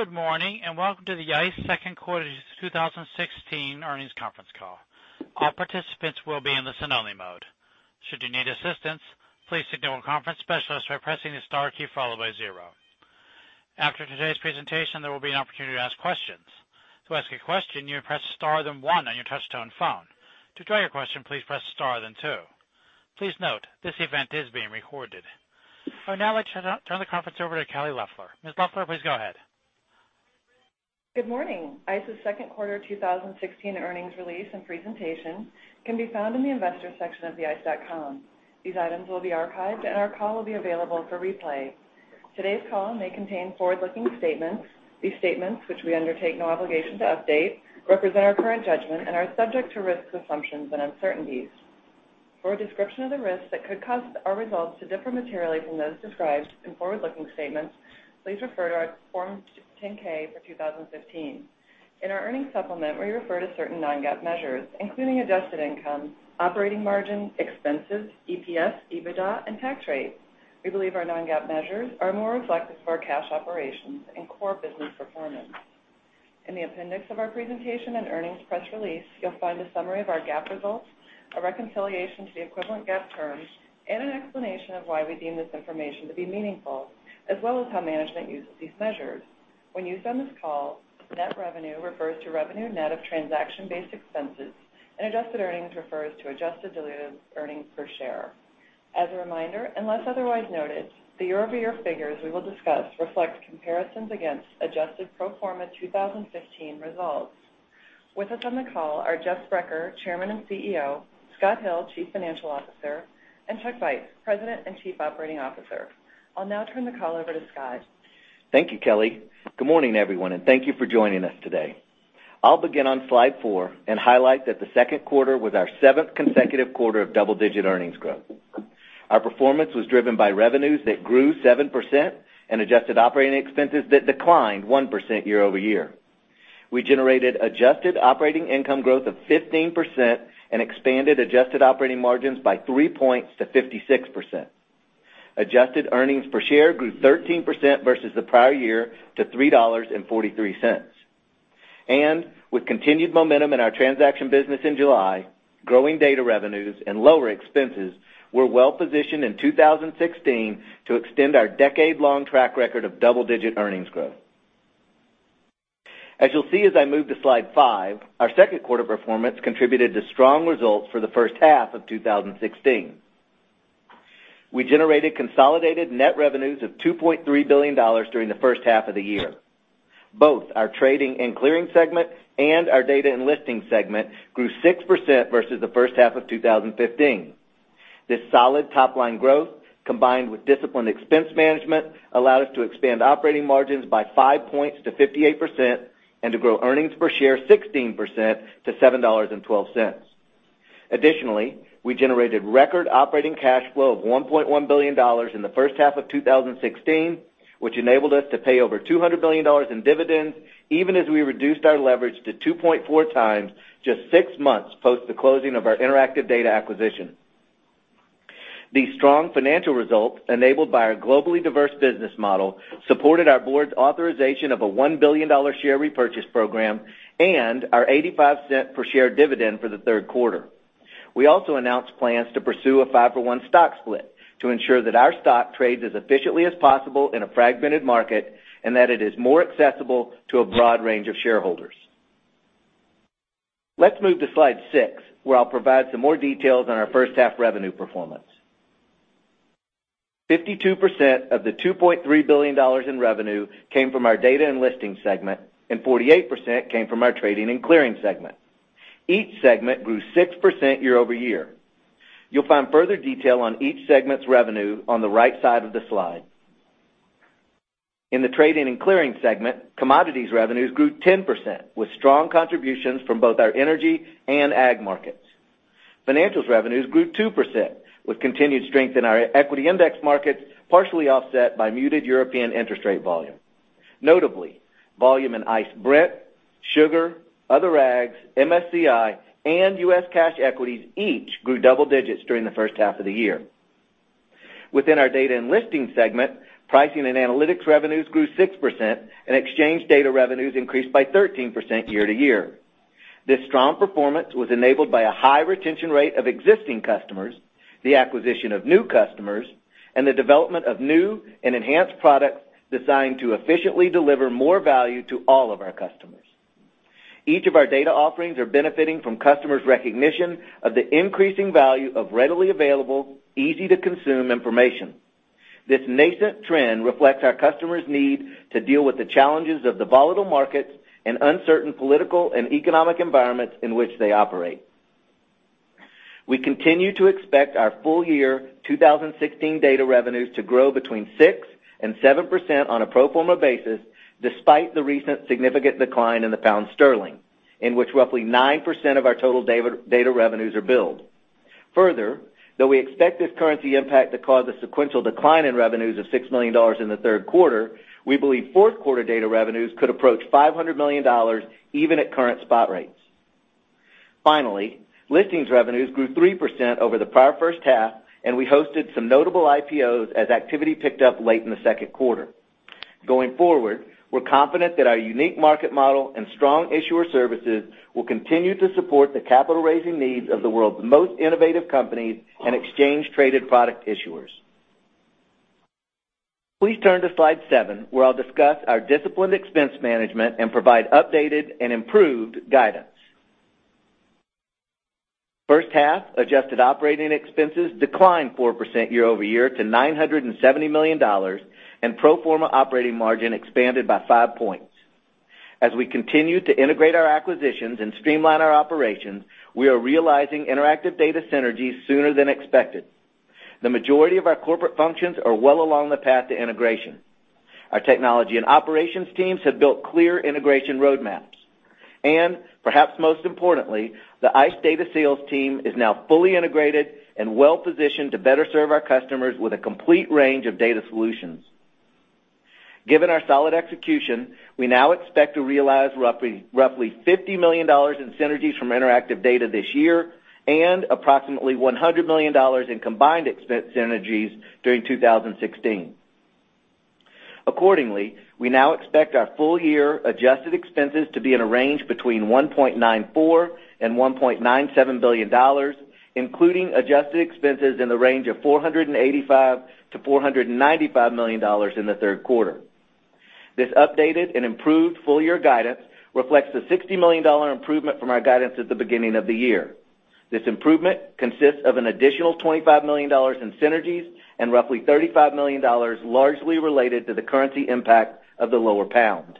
Good morning, and welcome to the ICE second quarter 2016 earnings conference call. All participants will be in the listen-only mode. Should you need assistance, please signal a conference specialist by pressing the star key followed by zero. After today's presentation, there will be an opportunity to ask questions. To ask a question, you press star, then one on your touch-tone phone. To withdraw your question, please press star then two. Please note, this event is being recorded. I would now like to turn the conference over to Kelly Loeffler. Ms. Loeffler, please go ahead. Good morning. ICE's second quarter 2016 earnings release and presentation can be found in the investor section of the theice.com. These items will be archived, and our call will be available for replay. Today's call may contain forward-looking statements. These statements, which we undertake no obligation to update, represent our current judgment and are subject to risks, assumptions, and uncertainties. For a description of the risks that could cause our results to differ materially from those described in forward-looking statements, please refer to our Form 10-K for 2015. In our earnings supplement, we refer to certain non-GAAP measures, including adjusted income, operating margin, expenses, EPS, EBITDA, and tax rates. We believe our non-GAAP measures are more reflective of our cash operations and core business performance. In the appendix of our presentation and earnings press release, you'll find a summary of our GAAP results, a reconciliation to the equivalent GAAP terms, and an explanation of why we deem this information to be meaningful, as well as how management uses these measures. When used on this call, net revenue refers to revenue net of transaction-based expenses, and adjusted earnings refers to adjusted diluted earnings per share. As a reminder, unless otherwise noted, the year-over-year figures we will discuss reflect comparisons against adjusted pro forma 2015 results. With us on the call are Jeff Sprecher, Chairman and CEO, Scott Hill, Chief Financial Officer, and Chuck Vice, President and Chief Operating Officer. I'll now turn the call over to Scott. Thank you, Kelly. Good morning, everyone, and thank you for joining us today. I'll begin on slide four and highlight that the second quarter was our seventh consecutive quarter of double-digit earnings growth. Our performance was driven by revenues that grew 7% and adjusted operating expenses that declined 1% year-over-year. We generated adjusted operating income growth of 15% and expanded adjusted operating margins by three points to 56%. Adjusted earnings per share grew 13% versus the prior year to $3.43. With continued momentum in our transaction business in July, growing data revenues, and lower expenses, we're well-positioned in 2016 to extend our decade-long track record of double-digit earnings growth. As you'll see as I move to slide five, our second quarter performance contributed to strong results for the first half of 2016. We generated consolidated net revenues of $2.3 billion during the first half of the year. Both our trading and clearing segment and our data and listing segment grew 6% versus the first half of 2015. This solid top-line growth, combined with disciplined expense management, allowed us to expand operating margins by five points to 58% and to grow earnings per share 16% to $7.12. Additionally, we generated record operating cash flow of $1.1 billion in the first half of 2016, which enabled us to pay over $200 million in dividends even as we reduced our leverage to 2.4 times just six months post the closing of our Interactive Data acquisition. These strong financial results, enabled by our globally diverse business model, supported our board's authorization of a $1 billion share repurchase program and our $0.85 per share dividend for the third quarter. We also announced plans to pursue a five-for-one stock split to ensure that our stock trades as efficiently as possible in a fragmented market, and that it is more accessible to a broad range of shareholders. Let's move to slide six, where I'll provide some more details on our first half revenue performance. 52% of the $2.3 billion in revenue came from our data and listing segment, and 48% came from our trading and clearing segment. Each segment grew 6% year-over-year. You'll find further detail on each segment's revenue on the right side of the slide. In the trading and clearing segment, commodities revenues grew 10%, with strong contributions from both our energy and ag markets. Financials revenues grew 2%, with continued strength in our equity index markets, partially offset by muted European interest rate volume. Notably, volume in ICE Brent, sugar, other ags, MSCI, and U.S. cash equities each grew double digits during the first half of the year. Within our data and listing segment, pricing and analytics revenues grew 6%, and exchange data revenues increased by 13% year-over-year. This strong performance was enabled by a high retention rate of existing customers, the acquisition of new customers, and the development of new and enhanced products designed to efficiently deliver more value to all of our customers. Each of our data offerings are benefiting from customers' recognition of the increasing value of readily available, easy-to-consume information. This nascent trend reflects our customers' need to deal with the challenges of the volatile markets and uncertain political and economic environments in which they operate. We continue to expect our full year 2016 data revenues to grow between 6% and 7% on a pro forma basis, despite the recent significant decline in the pound sterling, in which roughly 9% of our total data revenues are billed. Further, though we expect this currency impact to cause a sequential decline in revenues of $6 million in the third quarter, we believe fourth quarter data revenues could approach $500 million even at current spot rates. Finally, listings revenues grew 3% over the prior first half, and we hosted some notable IPOs as activity picked up late in the second quarter. Going forward, we're confident that our unique market model and strong issuer services will continue to support the capital-raising needs of the world's most innovative companies and exchange-traded product issuers. Please turn to slide seven, where I'll discuss our disciplined expense management and provide updated and improved guidance. First-half adjusted operating expenses declined 4% year-over-year to $970 million, pro forma operating margin expanded by five points. As we continue to integrate our acquisitions and streamline our operations, we are realizing Interactive Data synergies sooner than expected. The majority of our corporate functions are well along the path to integration. Our technology and operations teams have built clear integration roadmaps. Perhaps most importantly, the ICE Data Sales team is now fully integrated and well-positioned to better serve our customers with a complete range of data solutions. Given our solid execution, we now expect to realize roughly $50 million in synergies from Interactive Data this year and approximately $100 million in combined expense synergies during 2016. We now expect our full-year adjusted expenses to be in a range between $1.94 billion and $1.97 billion, including adjusted expenses in the range of $485 million-$495 million in the third quarter. This updated and improved full-year guidance reflects the $60 million improvement from our guidance at the beginning of the year. This improvement consists of an additional $25 million in synergies and roughly $35 million largely related to the currency impact of the lower pound.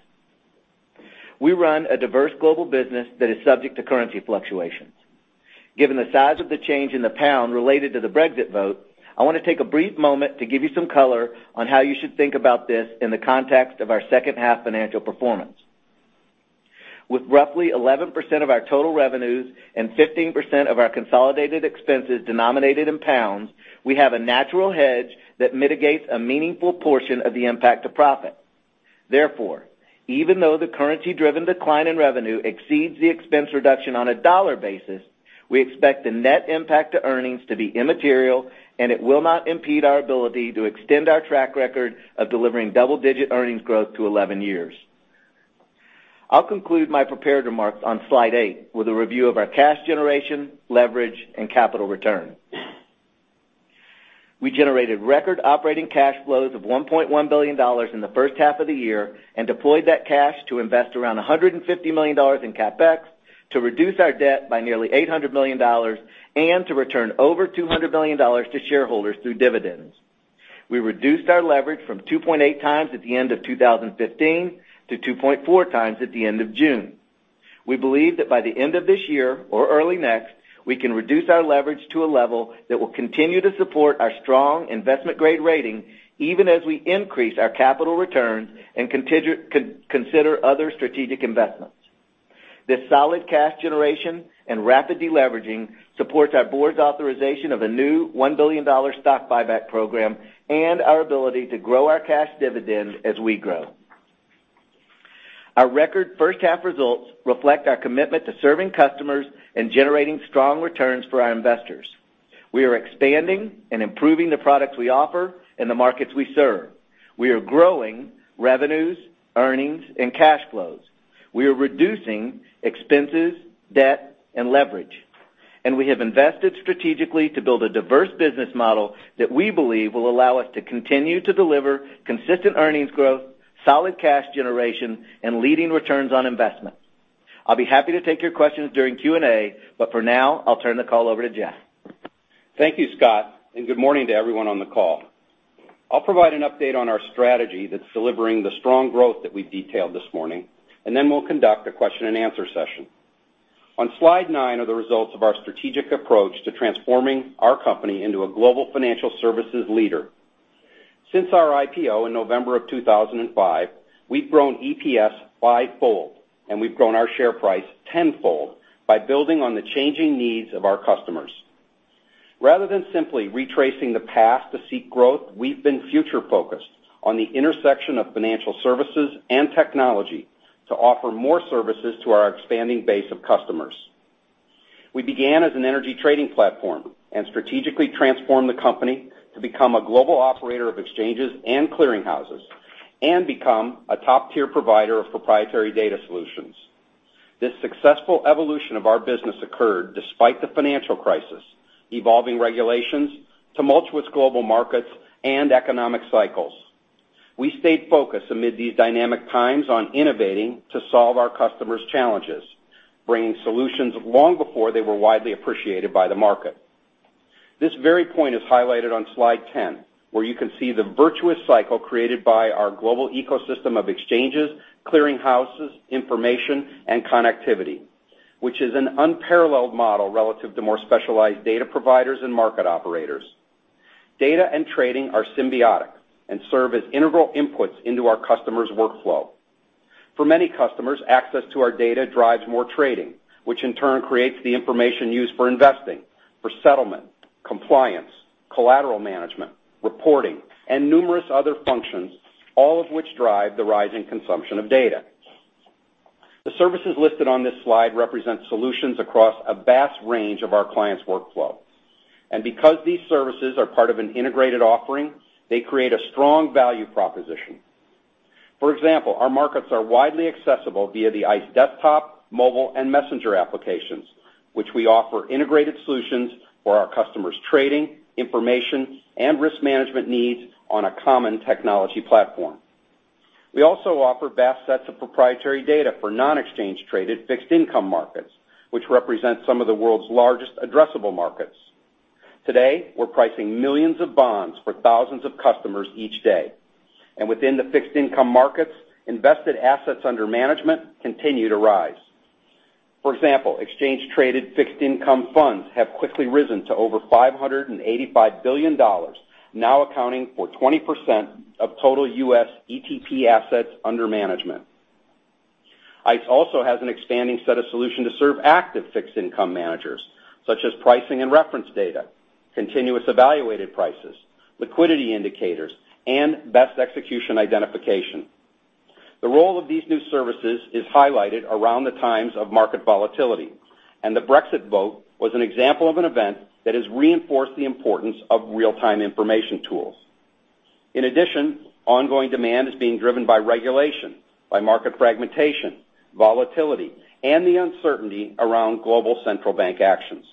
We run a diverse global business that is subject to currency fluctuations. Given the size of the change in the pound related to the Brexit vote, I want to take a brief moment to give you some color on how you should think about this in the context of our second-half financial performance. With roughly 11% of our total revenues and 15% of our consolidated expenses denominated in pounds, we have a natural hedge that mitigates a meaningful portion of the impact to profit. Therefore, even though the currency-driven decline in revenue exceeds the expense reduction on a dollar basis, we expect the net impact to earnings to be immaterial, it will not impede our ability to extend our track record of delivering double-digit earnings growth to 11 years. I'll conclude my prepared remarks on slide eight with a review of our cash generation, leverage, and capital return. We generated record operating cash flows of $1.1 billion in the first half of the year and deployed that cash to invest around $150 million in CapEx, to reduce our debt by nearly $800 million, and to return over $200 million to shareholders through dividends. We reduced our leverage from 2.8 times at the end of 2015 to 2.4 times at the end of June. We believe that by the end of this year or early next, we can reduce our leverage to a level that will continue to support our strong investment-grade rating, even as we increase our capital returns and consider other strategic investments. This solid cash generation and rapid deleveraging supports our board's authorization of a new $1 billion stock buyback program and our ability to grow our cash dividend as we grow. Our record first-half results reflect our commitment to serving customers and generating strong returns for our investors. We are expanding and improving the products we offer and the markets we serve. We are growing revenues, earnings, and cash flows. We are reducing expenses, debt, and leverage. We have invested strategically to build a diverse business model that we believe will allow us to continue to deliver consistent earnings growth, solid cash generation, and leading returns on investment. I'll be happy to take your questions during Q&A, for now, I'll turn the call over to Jeff. Thank you, Scott, and good morning to everyone on the call. I'll provide an update on our strategy that's delivering the strong growth that we've detailed this morning, then we'll conduct a question-and-answer session. On slide nine are the results of our strategic approach to transforming our company into a global financial services leader. Since our IPO in November of 2005, we've grown EPS fivefold, we've grown our share price tenfold by building on the changing needs of our customers. Rather than simply retracing the past to seek growth, we've been future-focused on the intersection of financial services and technology to offer more services to our expanding base of customers. We began as an energy trading platform and strategically transformed the company to become a global operator of exchanges and clearing houses and become a top-tier provider of proprietary data solutions. This successful evolution of our business occurred despite the financial crisis, evolving regulations, tumultuous global markets, and economic cycles. We stayed focused amid these dynamic times on innovating to solve our customers' challenges, bringing solutions long before they were widely appreciated by the market. This very point is highlighted on slide 10, where you can see the virtuous cycle created by our global ecosystem of exchanges, clearing houses, information, and connectivity, which is an unparalleled model relative to more specialized data providers and market operators. Data and trading are symbiotic and serve as integral inputs into our customers' workflow. For many customers, access to our data drives more trading, which in turn creates the information used for investing, for settlement compliance, collateral management, reporting, and numerous other functions, all of which drive the rising consumption of data. The services listed on this slide represent solutions across a vast range of our clients' workflow. Because these services are part of an integrated offering, they create a strong value proposition. For example, our markets are widely accessible via the ICE desktop, mobile, and messenger applications, which we offer integrated solutions for our customers' trading, information, and risk management needs on a common technology platform. We also offer vast sets of proprietary data for non-exchange traded fixed income markets, which represent some of the world's largest addressable markets. Today, we're pricing millions of bonds for thousands of customers each day. Within the fixed income markets, invested assets under management continue to rise. For example, exchange traded fixed income funds have quickly risen to over $585 billion, now accounting for 20% of total U.S. ETP assets under management. ICE also has an expanding set of solutions to serve active fixed income managers, such as pricing and reference data, continuous evaluated prices, liquidity indicators, and best execution identification. The role of these new services is highlighted around the times of market volatility. The Brexit vote was an example of an event that has reinforced the importance of real-time information tools. In addition, ongoing demand is being driven by regulation, by market fragmentation, volatility, and the uncertainty around global central bank actions.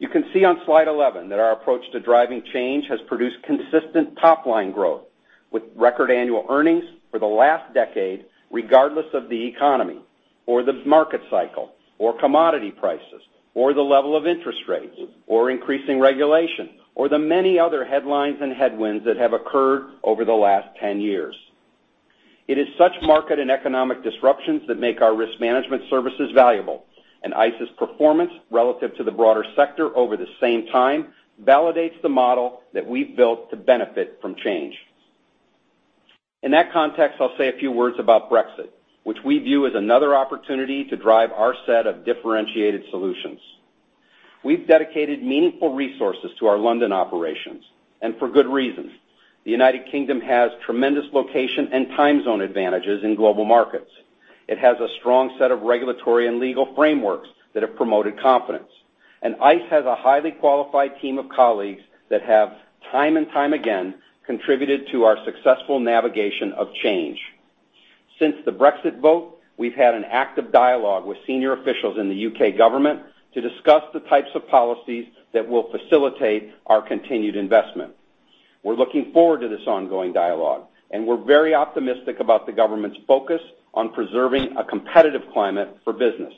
You can see on slide 11 that our approach to driving change has produced consistent top-line growth, with record annual earnings for the last decade, regardless of the economy, or the market cycle, or commodity prices, or the level of interest rates, or increasing regulation, or the many other headlines and headwinds that have occurred over the last 10 years. It is such market and economic disruptions that make our risk management services valuable. ICE's performance, relative to the broader sector over the same time, validates the model that we've built to benefit from change. In that context, I'll say a few words about Brexit, which we view as another opportunity to drive our set of differentiated solutions. We've dedicated meaningful resources to our London operations, and for good reason. The United Kingdom has tremendous location and time zone advantages in global markets. It has a strong set of regulatory and legal frameworks that have promoted confidence. ICE has a highly qualified team of colleagues that have, time and time again, contributed to our successful navigation of change. Since the Brexit vote, we've had an active dialogue with senior officials in the U.K. government to discuss the types of policies that will facilitate our continued investment. We're looking forward to this ongoing dialogue, and we're very optimistic about the government's focus on preserving a competitive climate for business.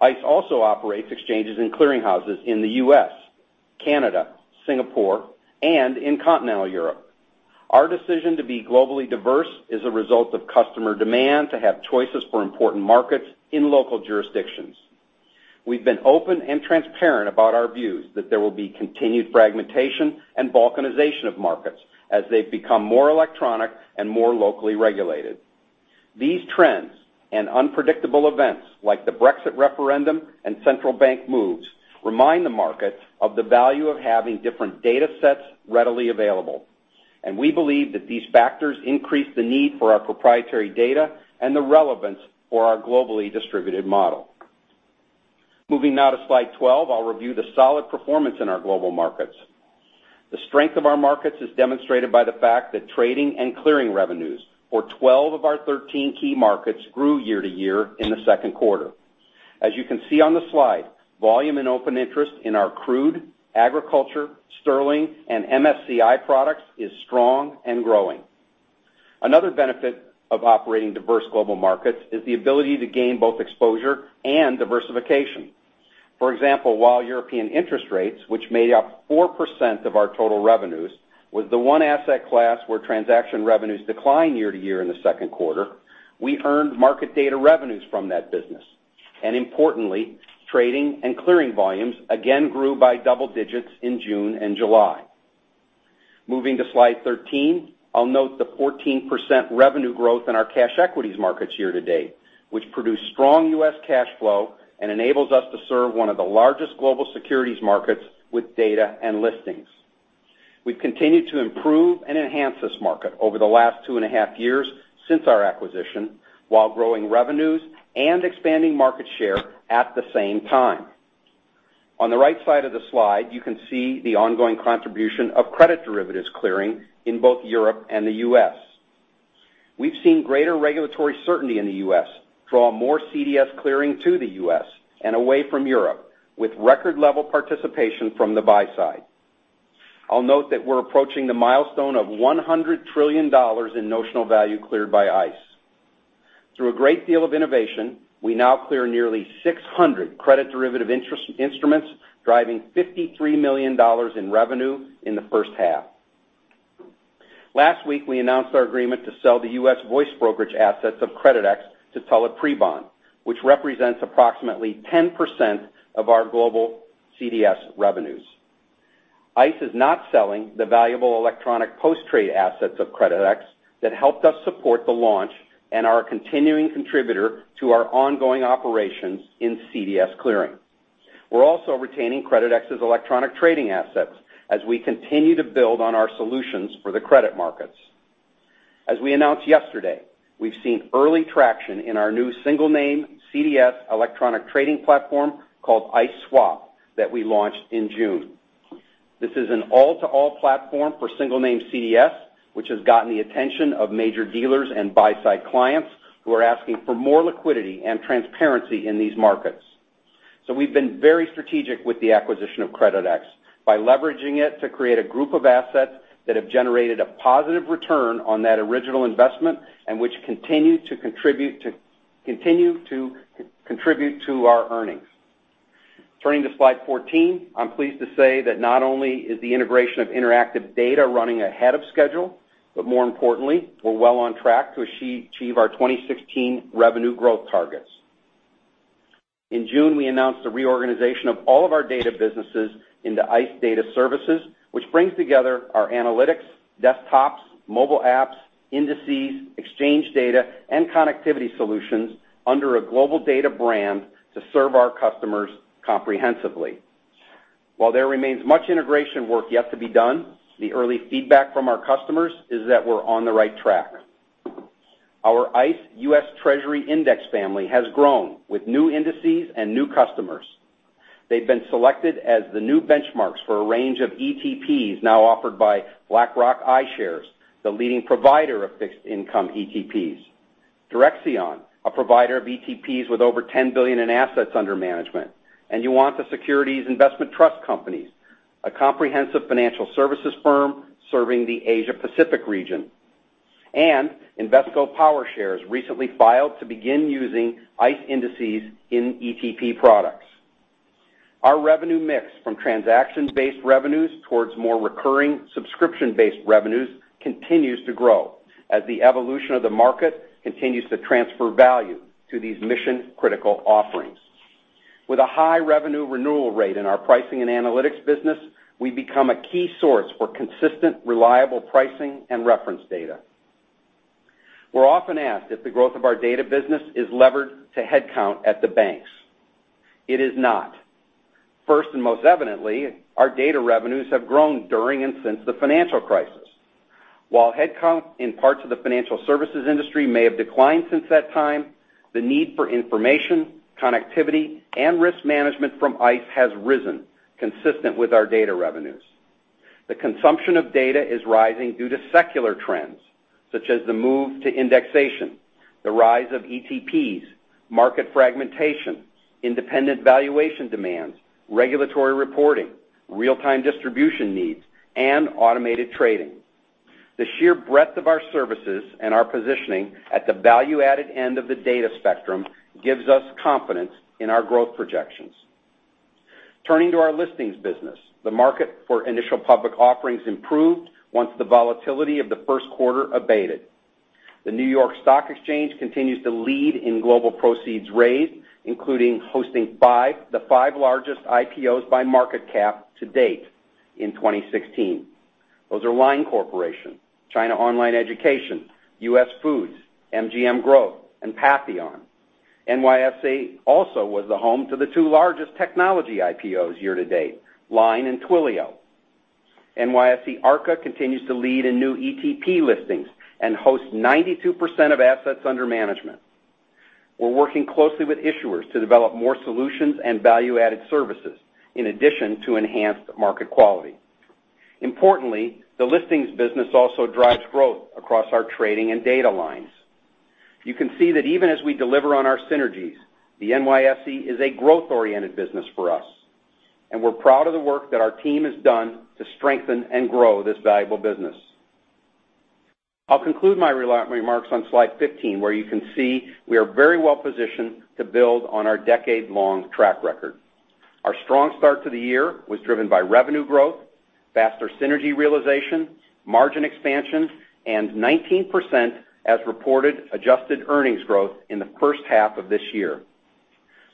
ICE also operates exchanges and clearing houses in the U.S., Canada, Singapore, and in continental Europe. Our decision to be globally diverse is a result of customer demand to have choices for important markets in local jurisdictions. We've been open and transparent about our views that there will be continued fragmentation and balkanization of markets as they've become more electronic and more locally regulated. These trends and unpredictable events, like the Brexit referendum and central bank moves, remind the markets of the value of having different data sets readily available. We believe that these factors increase the need for our proprietary data and the relevance for our globally distributed model. Moving now to slide 12. I'll review the solid performance in our global markets. The strength of our markets is demonstrated by the fact that trading and clearing revenues for 12 of our 13 key markets grew year-to-year in the second quarter. As you can see on the slide, volume and open interest in our crude, agriculture, sterling, and MSCI products is strong and growing. Another benefit of operating diverse global markets is the ability to gain both exposure and diversification. For example, while European interest rates, which made up 4% of our total revenues, was the one asset class where transaction revenues declined year-to-year in the second quarter, we earned market data revenues from that business. Importantly, trading and clearing volumes again grew by double digits in June and July. Moving to slide 13, I'll note the 14% revenue growth in our cash equities markets year to date, which produced strong U.S. cash flow and enables us to serve one of the largest global securities markets with data and listings. We've continued to improve and enhance this market over the last two and a half years since our acquisition, while growing revenues and expanding market share at the same time. On the right side of the slide, you can see the ongoing contribution of credit derivatives clearing in both Europe and the U.S. We've seen greater regulatory certainty in the U.S. draw more CDS clearing to the U.S. and away from Europe, with record level participation from the buy side. I'll note that we're approaching the milestone of $100 trillion in notional value cleared by ICE. Through a great deal of innovation, we now clear nearly 600 credit derivative instruments, driving $53 million in revenue in the first half. Last week, we announced our agreement to sell the U.S. voice brokerage assets of Creditex to Tullett Prebon, which represents approximately 10% of our global CDS revenues. ICE is not selling the valuable electronic post-trade assets of Creditex that helped us support the launch and are a continuing contributor to our ongoing operations in CDS Clearing. We're also retaining Creditex's electronic trading assets as we continue to build on our solutions for the credit markets. As we announced yesterday, we've seen early traction in our new single name CDS electronic trading platform called ICE Swap that we launched in June. This is an all-to-all platform for single name CDS, which has gotten the attention of major dealers and buy-side clients who are asking for more liquidity and transparency in these markets. We've been very strategic with the acquisition of Creditex by leveraging it to create a group of assets that have generated a positive return on that original investment, and which continue to contribute to our earnings. Turning to slide 14. I'm pleased to say that not only is the integration of Interactive Data running ahead of schedule, but more importantly, we're well on track to achieve our 2016 revenue growth targets. In June, we announced the reorganization of all of our data businesses into ICE Data Services, which brings together our analytics, desktops, mobile apps, indices, exchange data, and connectivity solutions under a global data brand to serve our customers comprehensively. While there remains much integration work yet to be done, the early feedback from our customers is that we're on the right track. Our ICE U.S. Treasury index family has grown with new indices and new customers. They've been selected as the new benchmarks for a range of ETPs now offered by BlackRock iShares, the leading provider of fixed income ETPs. Direxion, a provider of ETPs with over 10 billion in assets under management. Yuanta Securities Investment Trust Company, a comprehensive financial services firm serving the Asia-Pacific region. Invesco PowerShares recently filed to begin using ICE indices in ETP products. Our revenue mix from transaction-based revenues towards more recurring subscription-based revenues continues to grow as the evolution of the market continues to transfer value to these mission-critical offerings. With a high revenue renewal rate in our pricing and analytics business, we have become a key source for consistent, reliable pricing and reference data. We are often asked if the growth of our data business is levered to headcount at the banks. It is not. First, and most evidently, our data revenues have grown during and since the financial crisis. While headcount in parts of the financial services industry may have declined since that time, the need for information, connectivity, and risk management from ICE has risen, consistent with our data revenues. The consumption of data is rising due to secular trends, such as the move to indexation, the rise of ETPs, market fragmentation, independent valuation demands, regulatory reporting, real-time distribution needs, and automated trading. The sheer breadth of our services and our positioning at the value-added end of the data spectrum gives us confidence in our growth projections. Turning to our listings business. The market for initial public offerings improved once the volatility of the first quarter abated. The New York Stock Exchange continues to lead in global proceeds raised, including hosting the five largest IPOs by market cap to date in 2016. Those are LINE Corporation, China Online Education, US Foods, MGM Growth, and Patheon N.V. NYSE also was the home to the two largest technology IPOs year to date, LINE and Twilio. NYSE Arca continues to lead in new ETP listings and hosts 92% of assets under management. We are working closely with issuers to develop more solutions and value-added services in addition to enhanced market quality. Importantly, the listings business also drives growth across our trading and data lines. You can see that even as we deliver on our synergies, the NYSE is a growth-oriented business for us. We are proud of the work that our team has done to strengthen and grow this valuable business. I will conclude my remarks on slide 15, where you can see we are very well positioned to build on our decade-long track record. Our strong start to the year was driven by revenue growth, faster synergy realization, margin expansion, and 19% as-reported adjusted earnings growth in the first half of this year.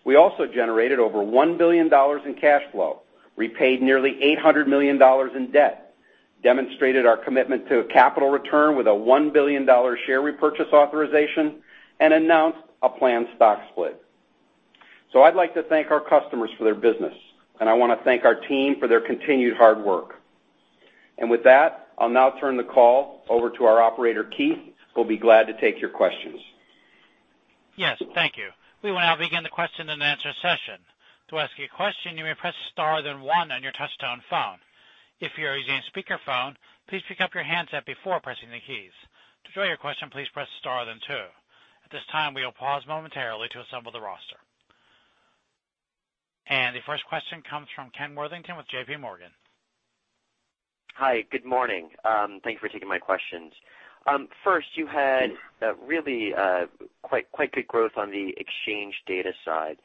We also generated over $1 billion in cash flow, repaid nearly $800 million in debt, demonstrated our commitment to a capital return with a $1 billion share repurchase authorization, and announced a planned stock split. I would like to thank our customers for their business, and I want to thank our team for their continued hard work. With that, I will now turn the call over to our operator, Keith, who will be glad to take your questions. Yes. Thank you. We will now begin the question and answer session. To ask a question, you may press star, then one on your touch-tone phone. If you are using speakerphone, please pick up your handset before pressing the keys. To withdraw your question, please press star, then two. At this time, we will pause momentarily to assemble the roster. The first question comes from Ken Worthington with JPMorgan. Hi. Good morning. Thank you for taking my questions. First, you had really quite good growth on the exchange data side.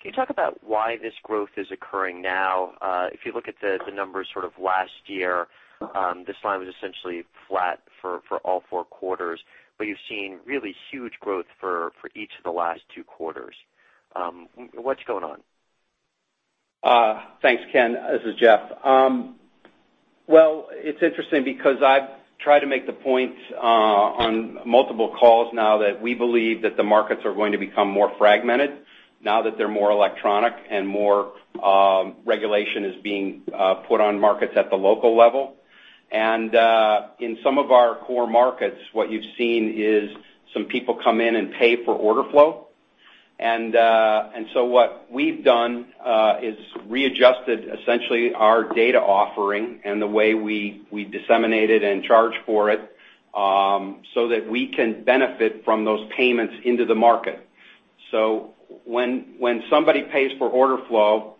Can you talk about why this growth is occurring now? If you look at the numbers sort of last year, this line was essentially flat for all four quarters, but you've seen really huge growth for each of the last two quarters. What's going on? Thanks, Ken. This is Jeff. Well, it's interesting because I've tried to make the point on multiple calls now that we believe that the markets are going to become more fragmented now that they're more electronic and more regulation is being put on markets at the local level. In some of our core markets, what you've seen is some people come in and pay for order flow. What we've done, is readjusted essentially our data offering and the way we disseminate it and charge for it, so that we can benefit from those payments into the market. When somebody pays for order flow,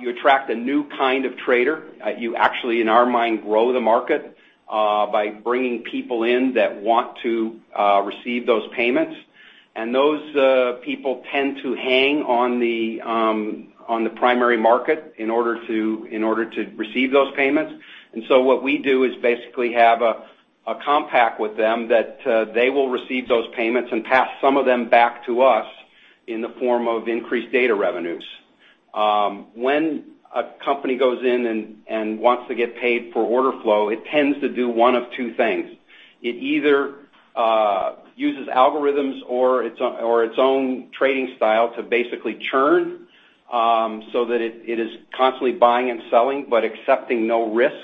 you attract a new kind of trader. You actually, in our mind, grow the market by bringing people in that want to receive those payments. Those people tend to hang on the primary market in order to receive those payments. What we do is basically have a compact with them that they will receive those payments and pass some of them back to us in the form of increased data revenues. When a company goes in and wants to get paid for order flow, it tends to do one of two things. It either uses algorithms or its own trading style to basically churn, so that it is constantly buying and selling, but accepting no risk.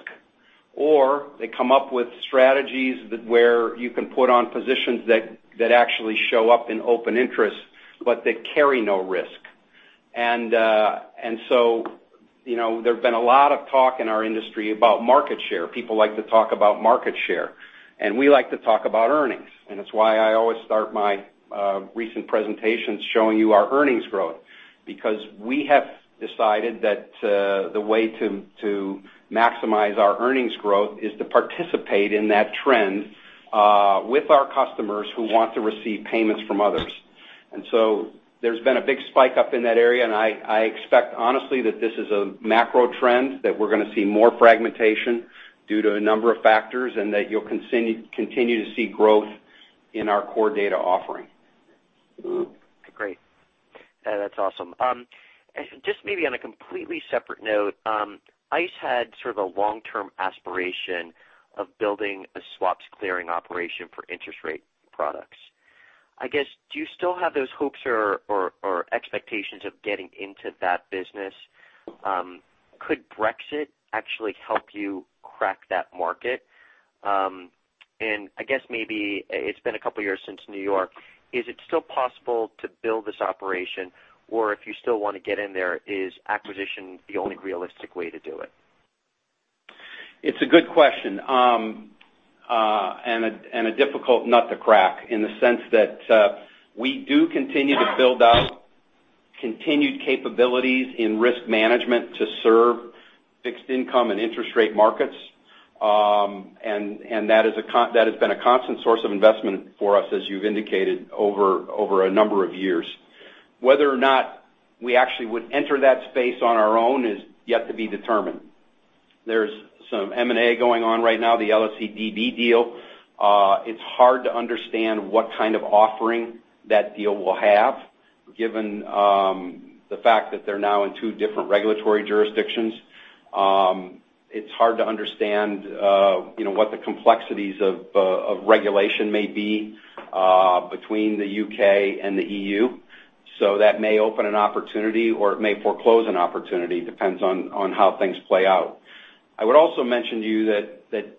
Or they come up with strategies where you can put on positions that actually show up in open interest, but that carry no risk. There's been a lot of talk in our industry about market share. People like to talk about market share, and we like to talk about earnings. It's why I always start my recent presentations showing you our earnings growth, because we have decided that the way to maximize our earnings growth is to participate in that trend, with our customers who want to receive payments from others. There's been a big spike up in that area, and I expect, honestly, that this is a macro trend, that we're going to see more fragmentation due to a number of factors, and that you'll continue to see growth in our core data offering. Great. That's awesome. Just maybe on a completely separate note, ICE had sort of a long-term aspiration of building a swaps clearing operation for interest rate products. I guess, do you still have those hopes or expectations of getting into that business? Could Brexit actually help you crack that market? I guess maybe it's been a couple of years since New York, is it still possible to build this operation? Or if you still want to get in there, is acquisition the only realistic way to do it? It's a good question. A difficult nut to crack in the sense that we do continue to build out continued capabilities in risk management to serve fixed income and interest rate markets. That has been a constant source of investment for us, as you've indicated, over a number of years. Whether or not we actually would enter that space on our own is yet to be determined. There's some M&A going on right now, the LSE-DB deal. It's hard to understand what kind of offering that deal will have, given the fact that they're now in two different regulatory jurisdictions. It's hard to understand what the complexities of regulation may be between the U.K. and the EU. That may open an opportunity or it may foreclose an opportunity, depends on how things play out. I would also mention to you that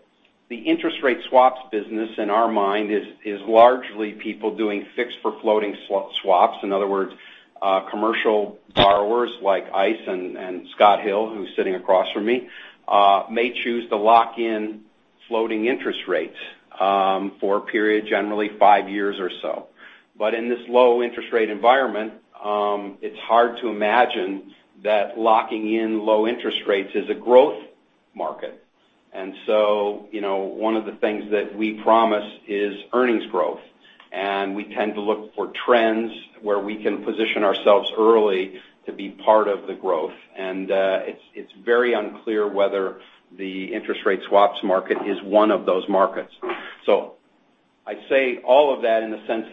the interest rate swaps business, in our mind, is largely people doing fixed for floating swaps. In other words, commercial borrowers like ICE and Scott Hill, who's sitting across from me, may choose to lock in floating interest rates, for a period, generally five years or so. In this low interest rate environment, it's hard to imagine that locking in low interest rates is a growth market. One of the things that we promise is earnings growth. We tend to look for trends where we can position ourselves early to be part of the growth. It's very unclear whether the interest rate swaps market is one of those markets. I say all of that in the sense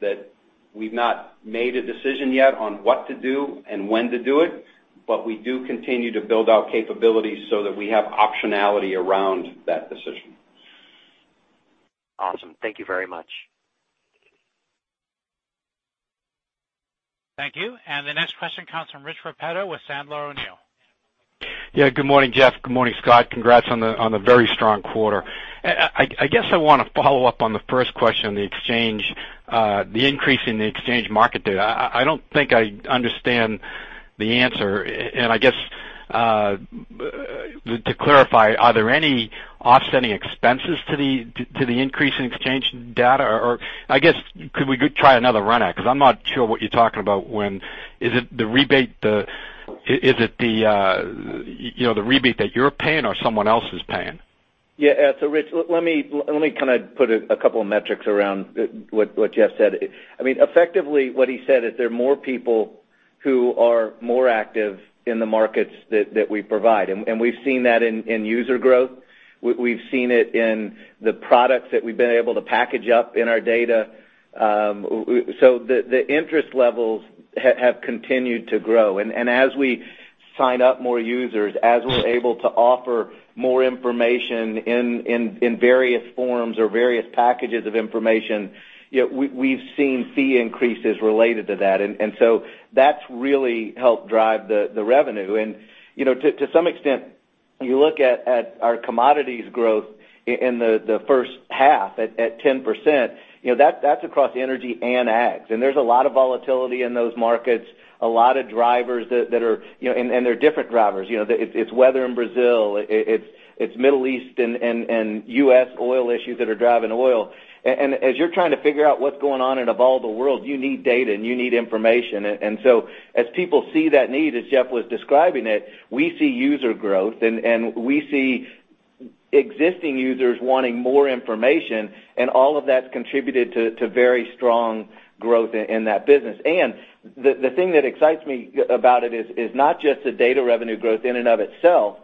that we've not made a decision yet on what to do and when to do it, but we do continue to build out capabilities so that we have optionality around that decision. Awesome. Thank you very much. Thank you. The next question comes from Rich Repetto with Sandler O'Neill. Yeah. Good morning, Jeff. Good morning, Scott. Congrats on the very strong quarter. I guess I want to follow up on the first question, the increase in the exchange market data. I don't think I understand the answer. I guess, to clarify, are there any offsetting expenses to the increase in exchange data? Or I guess, could we try another run at it? I'm not sure what you're talking about. Is it the rebate that you're paying or someone else is paying? Rich, let me kind of put a couple of metrics around what Jeff said. Effectively, what he said is there are more people who are more active in the markets that we provide. We've seen that in user growth. We've seen it in the products that we've been able to package up in our data. The interest levels have continued to grow. As we sign up more users, as we're able to offer more information in various forms or various packages of information, we've seen fee increases related to that. That's really helped drive the revenue. To some extent, you look at our commodities growth in the first half at 10%, that's across energy and ags. There's a lot of volatility in those markets, a lot of drivers, and they're different drivers. It's weather in Brazil. It's Middle East and U.S. oil issues that are driving oil. As you're trying to figure out what's going on in a volatile world, you need data, and you need information. As people see that need, as Jeff was describing it, we see user growth, and we see existing users wanting more information, and all of that's contributed to very strong growth in that business. The thing that excites me about it is not just the data revenue growth in and of itself,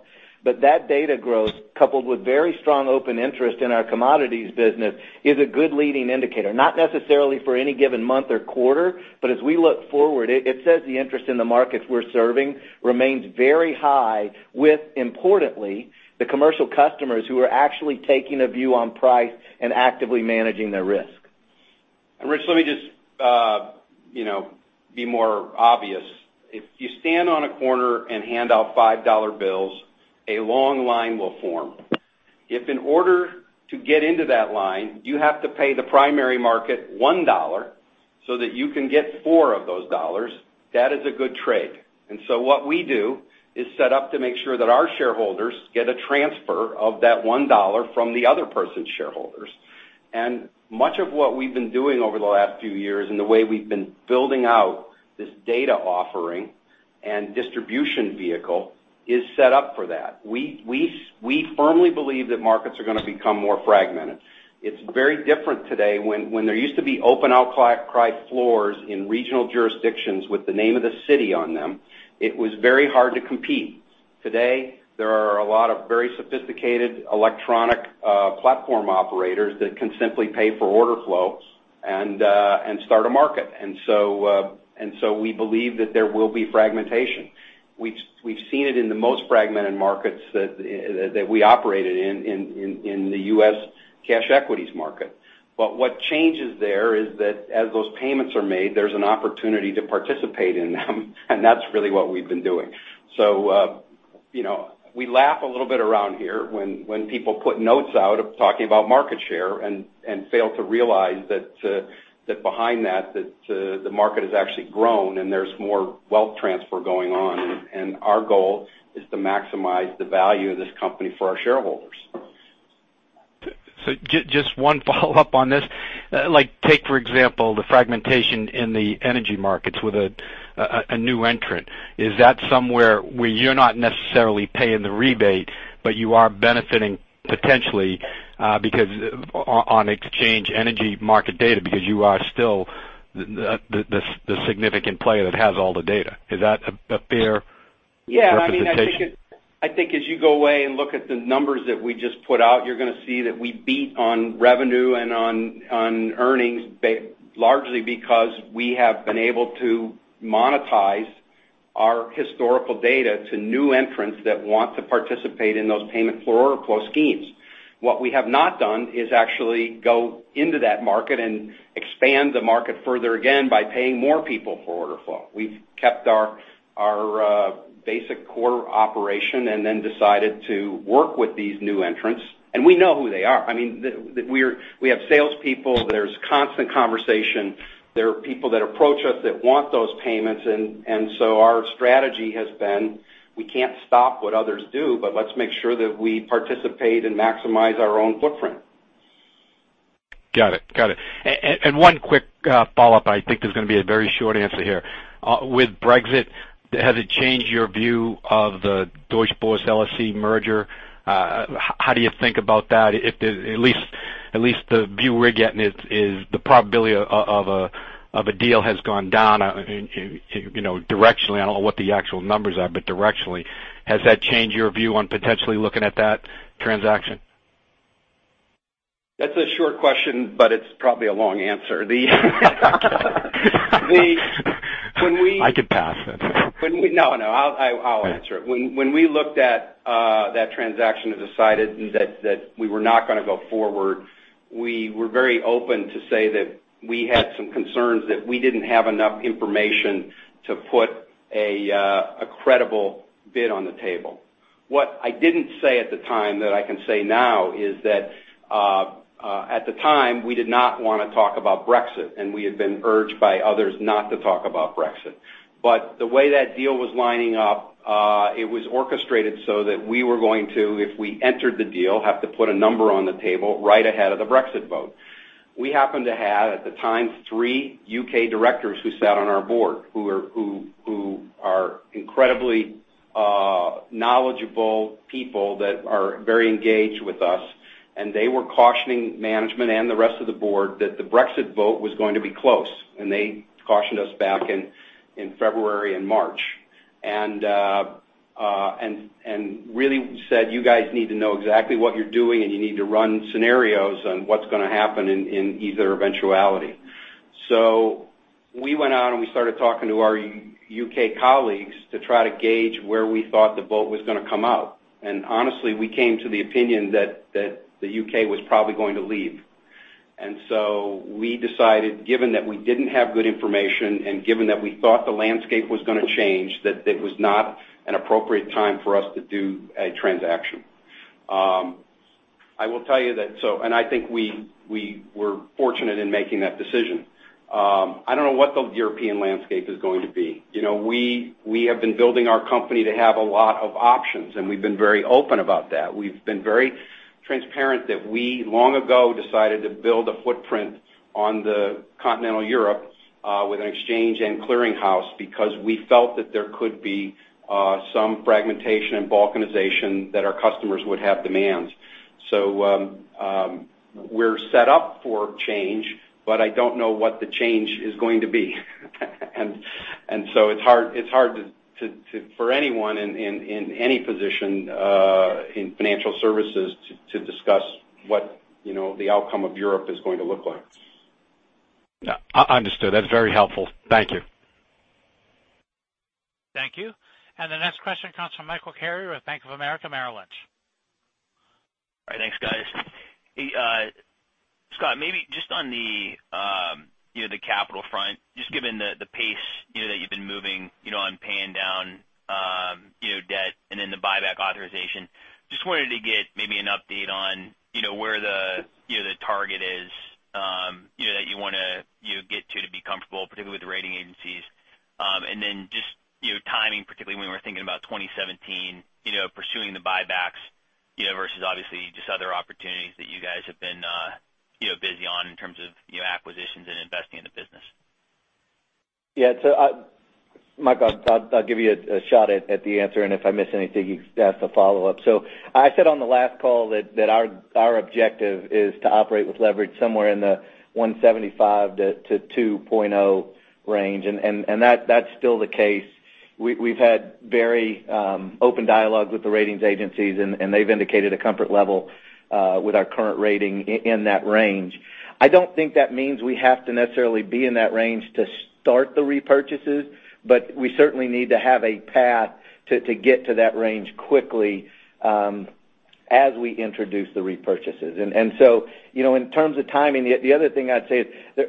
but that data growth coupled with very strong open interest in our commodities business is a good leading indicator. Not necessarily for any given month or quarter, but as we look forward, it says the interest in the markets we're serving remains very high with, importantly, the commercial customers who are actually taking a view on price and actively managing their risk. Rich, let me just be more obvious. If you stand on a corner and hand out $5 bills, a long line will form. If in order to get into that line, you have to pay the primary market $1 so that you can get four of those dollars, that is a good trade. What we do is set up to make sure that our shareholders get a transfer of that $1 from the other person's shareholders. Much of what we've been doing over the last few years and the way we've been building out this data offering and distribution vehicle is set up for that. We firmly believe that markets are going to become more fragmented. It's very different today when there used to be open outcry floors in regional jurisdictions with the name of the city on them. It was very hard to compete. Today, there are a lot of very sophisticated electronic, platform operators that can simply pay for order flow and start a market. We believe that there will be fragmentation. We've seen it in the most fragmented markets that we operated in the U.S. cash equities market. What changes there is that as those payments are made, there's an opportunity to participate in them, and that's really what we've been doing. We laugh a little bit around here when people put notes out of talking about market share and fail to realize that behind that, the market has actually grown, and there's more wealth transfer going on. Our goal is to maximize the value of this company for our shareholders. Just one follow-up on this. Take, for example, the fragmentation in the energy markets with a new entrant. Is that somewhere where you're not necessarily paying the rebate, but you are benefiting potentially, on exchange energy market data because you are still the significant player that has all the data. Is that a fair representation? Yeah, I think as you go away and look at the numbers that we just put out, you're going to see that we beat on revenue and on earnings, largely because we have been able to monetize our historical data to new entrants that want to participate in those payment for order flow schemes. What we have not done is actually go into that market and expand the market further again by paying more people for order flow. We've kept our basic core operation. Then decided to work with these new entrants. We know who they are. We have salespeople. There's constant conversation. There are people that approach us that want those payments, our strategy has been, we can't stop what others do, but let's make sure that we participate and maximize our own footprint. Got it. One quick follow-up. I think there's going to be a very short answer here. With Brexit, has it changed your view of the Deutsche Börse LSE merger? How do you think about that? At least the view we're getting is the probability of a deal has gone down directionally. I don't know what the actual numbers are, but directionally. Has that changed your view on potentially looking at that transaction? That's a short question, but it's probably a long answer. I could pass it. No, I'll answer it. When we looked at that transaction and decided that we were not going to go forward, we were very open to say that we had some concerns that we didn't have enough information to put a credible bid on the table. What I didn't say at the time that I can say now is that, at the time, we did not want to talk about Brexit, and we had been urged by others not to talk about Brexit. The way that deal was lining up, it was orchestrated so that we were going to, if we entered the deal, have to put a number on the table right ahead of the Brexit vote. We happened to have, at the time, three U.K. directors who sat on our board. Incredibly knowledgeable people that are very engaged with us, and they were cautioning management and the rest of the board that the Brexit vote was going to be close. They cautioned us back in February and March. Really said, "You guys need to know exactly what you're doing, and you need to run scenarios on what's going to happen in either eventuality." We went out, and we started talking to our U.K. colleagues to try to gauge where we thought the vote was going to come out. Honestly, we came to the opinion that the U.K. was probably going to leave. We decided, given that we didn't have good information and given that we thought the landscape was going to change, that it was not an appropriate time for us to do a transaction. I will tell you that I think we're fortunate in making that decision. I don't know what the European landscape is going to be. We have been building our company to have a lot of options, and we've been very open about that. We've been very transparent that we long ago decided to build a footprint on the continental Europe, with an exchange and clearinghouse because we felt that there could be some fragmentation and balkanization that our customers would have demands. We're set up for change, but I don't know what the change is going to be. It's hard for anyone in any position, in financial services, to discuss what the outcome of Europe is going to look like. Understood. That's very helpful. Thank you. Thank you. The next question comes from Michael Carrier with Bank of America Merrill Lynch. All right. Thanks, guys. Scott, maybe just on the capital front, just given the pace that you've been moving on paying down debt, then the buyback authorization, just wanted to get maybe an update on where the target is that you want to get to be comfortable, particularly with the rating agencies. Then just timing, particularly when we're thinking about 2017, pursuing the buybacks, versus obviously just other opportunities that you guys have been busy on in terms of acquisitions and investing in the business. Yeah. Mike, I'll give you a shot at the answer, and if I miss anything, you can ask a follow-up. I said on the last call that our objective is to operate with leverage somewhere in the 1.75 to 2.0 range, and that's still the case. We've had very open dialogue with the ratings agencies, and they've indicated a comfort level with our current rating in that range. I don't think that means we have to necessarily be in that range to start the repurchases, but we certainly need to have a path to get to that range quickly as we introduce the repurchases. In terms of timing, the other thing I'd say is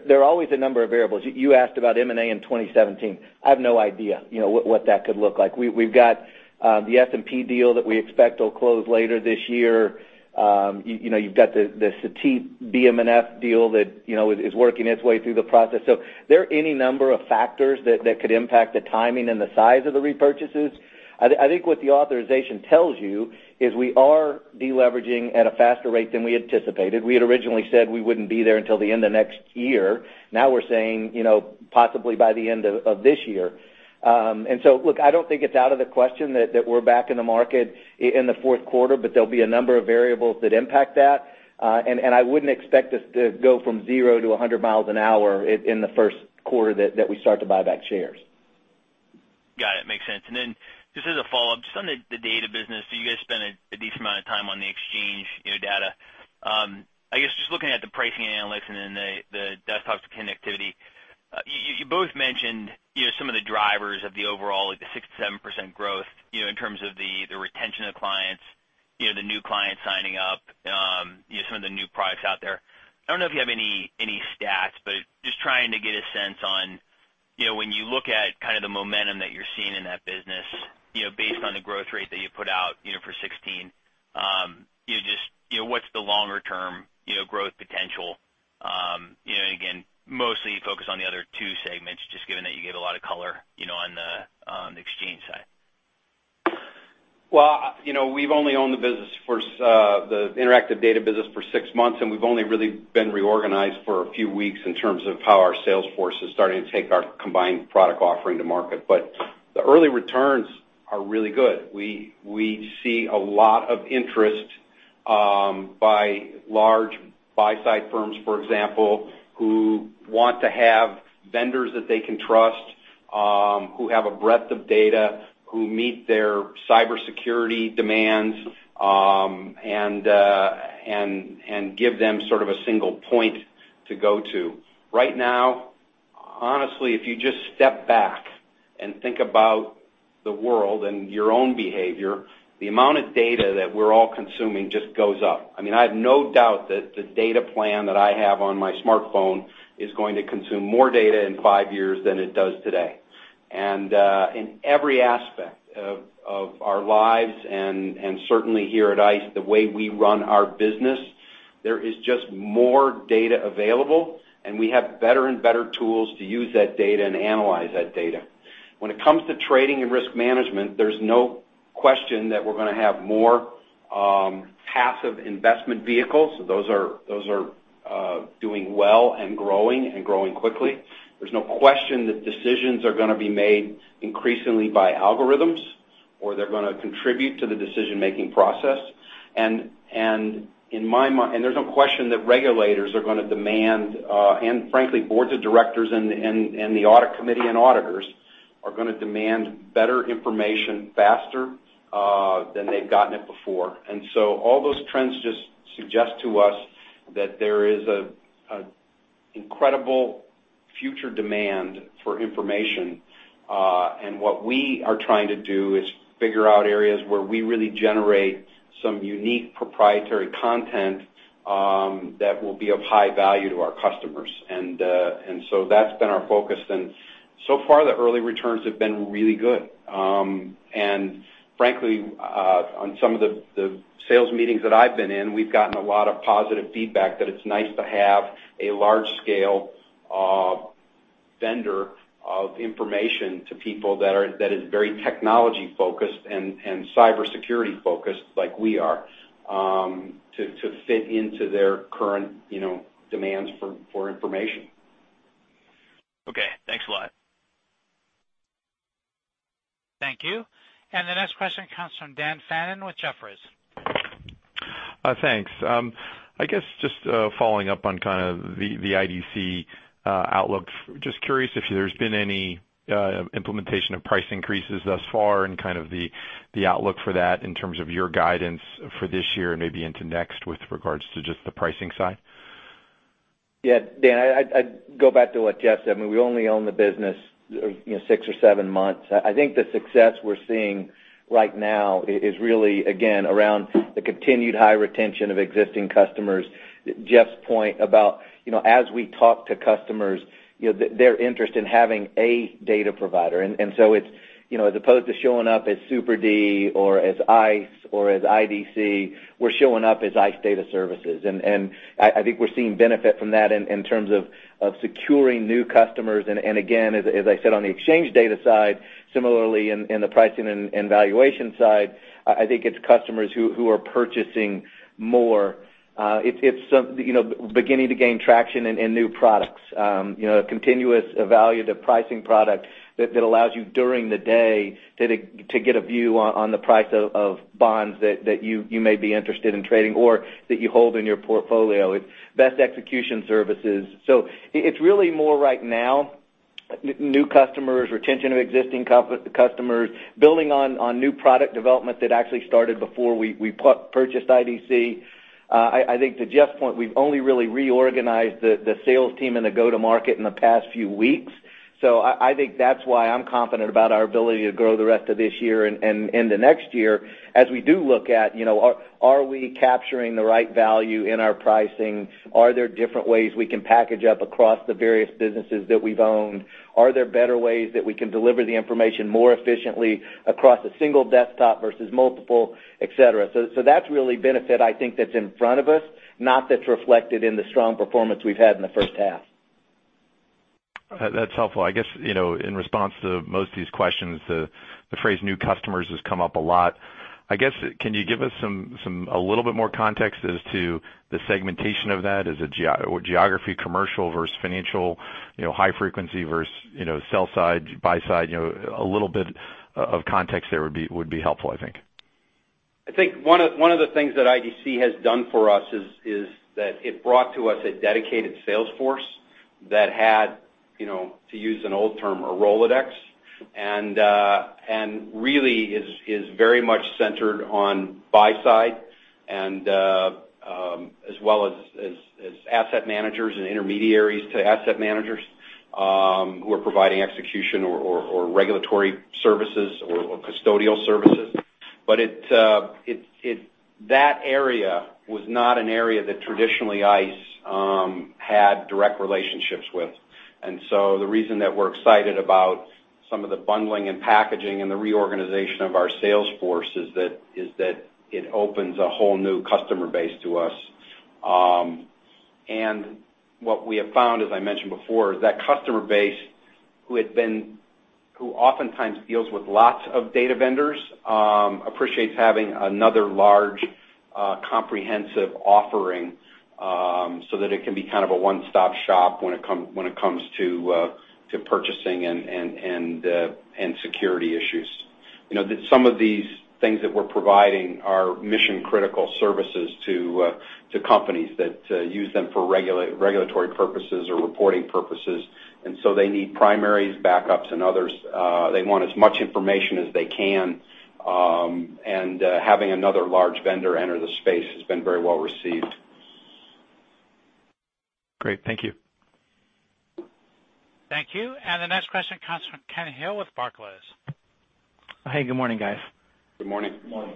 there are always a number of variables. You asked about M&A in 2017. I have no idea what that could look like. We've got the S&P deal that we expect will close later this year. You've got the Cetip BM&F deal that is working its way through the process. There are any number of factors that could impact the timing and the size of the repurchases. I think what the authorization tells you is we are de-leveraging at a faster rate than we anticipated. We had originally said we wouldn't be there until the end of next year. Now we're saying, possibly by the end of this year. Look, I don't think it's out of the question that we're back in the market in the fourth quarter, but there'll be a number of variables that impact that. I wouldn't expect us to go from zero to 100 miles an hour in the first quarter that we start to buy back shares. Got it. Makes sense. Just as a follow-up, just on the data business, you guys spend a decent amount of time on the exchange data. I guess, just looking at the pricing analytics and then the desktop connectivity, you both mentioned some of the drivers of the overall, like the 67% growth, in terms of the retention of clients, the new clients signing up, some of the new products out there. I don't know if you have any stats, but just trying to get a sense on when you look at kind of the momentum that you're seeing in that business, based on the growth rate that you put out for 2016, just what's the longer-term growth potential? Again, mostly focused on the other two segments, just given that you gave a lot of color on the exchange side. Well, we've only owned the Interactive Data business for six months, we've only really been reorganized for a few weeks in terms of how our sales force is starting to take our combined product offering to market. The early returns are really good. We see a lot of interest by large buy-side firms, for example, who want to have vendors that they can trust, who have a breadth of data, who meet their cybersecurity demands, and give them sort of a single point to go to. Right now, honestly, if you just step back and think about the world and your own behavior, the amount of data that we're all consuming just goes up. I have no doubt that the data plan that I have on my smartphone is going to consume more data in five years than it does today. In every aspect of our lives, and certainly here at ICE, the way we run our business, there is just more data available, we have better and better tools to use that data and analyze that data. When it comes to trading and risk management, there's no question that we're going to have more Passive investment vehicles. Those are doing well and growing, and growing quickly. There's no question that decisions are going to be made increasingly by algorithms, or they're going to contribute to the decision-making process. There's no question that regulators are going to demand, and frankly, boards of directors and the audit committee and auditors, are going to demand better information faster, than they've gotten it before. All those trends just suggest to us that there is an incredible future demand for information. What we are trying to do is figure out areas where we really generate some unique proprietary content, that will be of high value to our customers. So that's been our focus. So far, the early returns have been really good. Frankly, on some of the sales meetings that I've been in, we've gotten a lot of positive feedback that it's nice to have a large-scale vendor of information to people that is very technology-focused and cybersecurity-focused like we are, to fit into their current demands for information. Okay, thanks a lot. Thank you. The next question comes from Dan Fannon with Jefferies. Thanks. I guess just following up on the IDC outlook. Just curious if there's been any implementation of price increases thus far and the outlook for that in terms of your guidance for this year and maybe into next with regards to just the pricing side. Yeah. Dan, I'd go back to what Jeff said. We only own the business six or seven months. I think the success we're seeing right now is really, again, around the continued high retention of existing customers. Jeff's point about as we talk to customers, their interest in having a data provider. As opposed to showing up as Super D or as ICE or as IDC, we're showing up as ICE Data Services. I think we're seeing benefit from that in terms of securing new customers. Again, as I said, on the exchange data side, similarly in the pricing and valuation side, I think it's customers who are purchasing more, beginning to gain traction in new products. A continuous evaluative pricing product that allows you during the day to get a view on the price of bonds that you may be interested in trading or that you hold in your portfolio. It's best execution services. It's really more right now, new customers, retention of existing customers, building on new product development that actually started before we purchased IDC. I think to Jeff's point, we've only really reorganized the sales team and the go-to-market in the past few weeks. I think that's why I'm confident about our ability to grow the rest of this year and the next year, as we do look at, are we capturing the right value in our pricing? Are there different ways we can package up across the various businesses that we've owned? Are there better ways that we can deliver the information more efficiently across a single desktop versus multiple, et cetera? That's really benefit, I think that's in front of us, not that's reflected in the strong performance we've had in the first half. That's helpful. I guess, in response to most of these questions, the phrase new customers has come up a lot. I guess, can you give us a little bit more context as to the segmentation of that? Is it geography, commercial versus financial, high frequency versus sell side, buy side, a little bit of context there would be helpful, I think. I think one of the things that IDC has done for us is that it brought to us a dedicated sales force that had, to use an old term, a Rolodex. Really is very much centered on buy side, as well as asset managers and intermediaries to asset managers, who are providing execution or regulatory services or custodial services. That area was not an area that traditionally ICE had direct relationships with. The reason that we're excited about some of the bundling and packaging and the reorganization of our sales force is that it opens a whole new customer base to us. What we have found, as I mentioned before, is that customer base who oftentimes deals with lots of data vendors, appreciates having another large, comprehensive offering, so that it can be kind of a one-stop shop when it comes to purchasing and security issues. Some of these things that we're providing are mission-critical services to companies that use them for regulatory purposes or reporting purposes. They need primaries, backups, and others. They want as much information as they can. Having another large vendor enter the space has been very well received. Great. Thank you. Thank you. The next question comes from Ken Hill with Barclays. Hey, good morning, guys. Good morning. Good morning.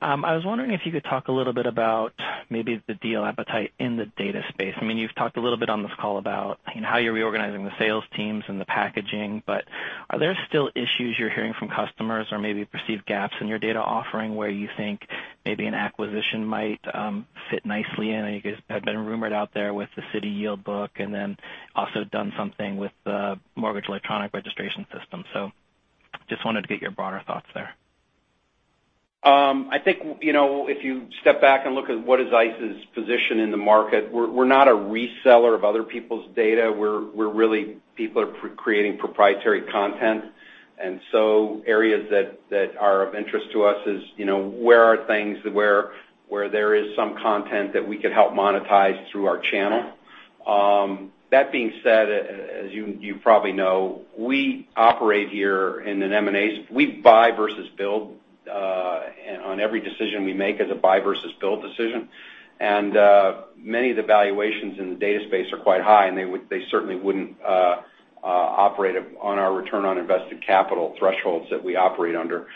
I was wondering if you could talk a little bit about maybe the deal appetite in the data space. You've talked a little bit on this call about how you're reorganizing the sales teams and the packaging, are there still issues you're hearing from customers or maybe perceived gaps in your data offering where you think maybe an acquisition might fit nicely in? You guys have been rumored out there with the Citi Yield Book and then also done something with the Mortgage Electronic Registration Systems. Just wanted to get your broader thoughts there. I think if you step back and look at what is ICE's position in the market, we're not a reseller of other people's data. We're really people creating proprietary content. Areas that are of interest to us is, where are things where there is some content that we could help monetize through our channel? That being said, as you probably know, we operate here in an M&A. We buy versus build on every decision we make as a buy versus build decision. Many of the valuations in the data space are quite high, and they certainly wouldn't operate on our return on invested capital thresholds that we operate under.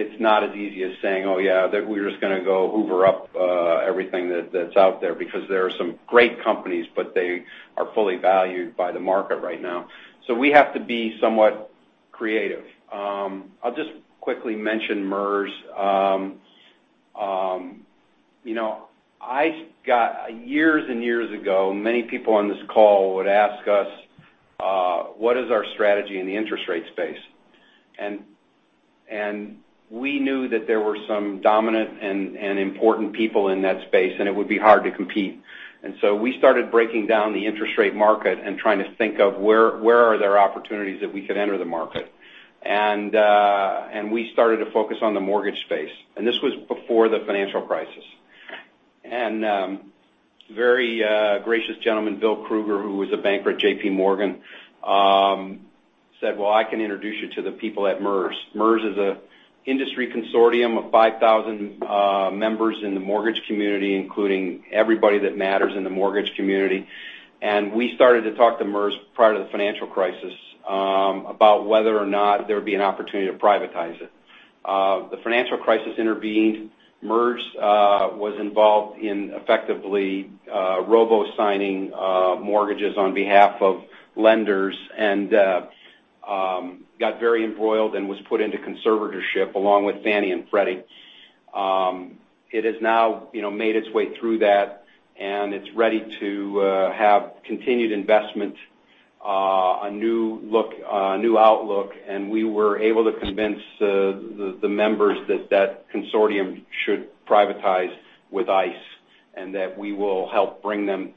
It's not as easy as saying, "Oh, yeah, we're just going to go hoover up everything that's out there," because there are some great companies, but they are fully valued by the market right now. We have to be somewhat creative. I'll just quickly mention MERS. Years and years ago, many people on this call would ask us what is our strategy in the interest rate space. We knew that there were some dominant and important people in that space, and it would be hard to compete. We started breaking down the interest rate market and trying to think of where are there opportunities that we could enter the market. We started to focus on the mortgage space. This was before the financial crisis. A very gracious gentleman, Bill Krueger, who was a banker at JPMorgan, said, "Well, I can introduce you to the people at MERS." MERS is an industry consortium of 5,000 members in the mortgage community, including everybody that matters in the mortgage community. We started to talk to MERS prior to the financial crisis, about whether or not there would be an opportunity to privatize it. The financial crisis intervened. MERS was involved in effectively robo-signing mortgages on behalf of lenders and got very embroiled and was put into conservatorship, along with Fannie and Freddie. It has now made its way through that, and it's ready to have continued investment, a new outlook, and we were able to convince the members that that consortium should privatize with ICE and that we will help bring them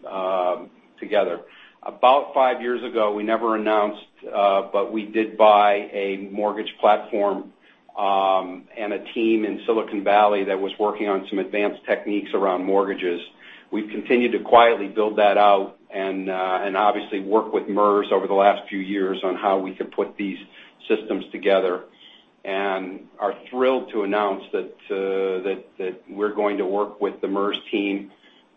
together. About five years ago, we never announced, but we did buy a mortgage platform, and a team in Silicon Valley that was working on some advanced techniques around mortgages. We've continued to quietly build that out and obviously work with MERS over the last few years on how we could put these systems together and are thrilled to announce that we're going to work with the MERS team,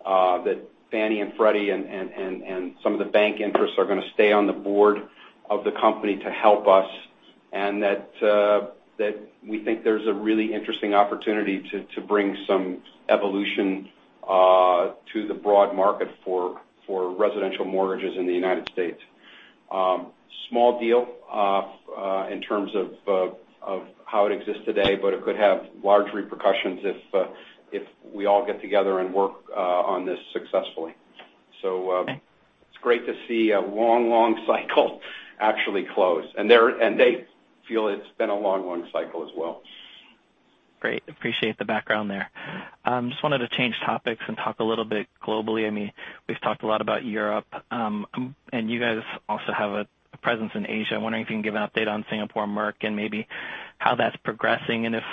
that Fannie and Freddie and some of the bank interests are going to stay on the board of the company to help us, that we think there's a really interesting opportunity to bring some evolution to the broad market for residential mortgages in the U.S. Small deal in terms of how it exists today, it could have large repercussions if we all get together and work on this successfully. It's great to see a long cycle actually close. They feel it's been a long cycle as well. Great. Appreciate the background there. Just wanted to change topics and talk a little bit globally. We've talked a lot about Europe. You guys also have a presence in Asia. I'm wondering if you can give an update on Singapore Merc and maybe how that's progressing and if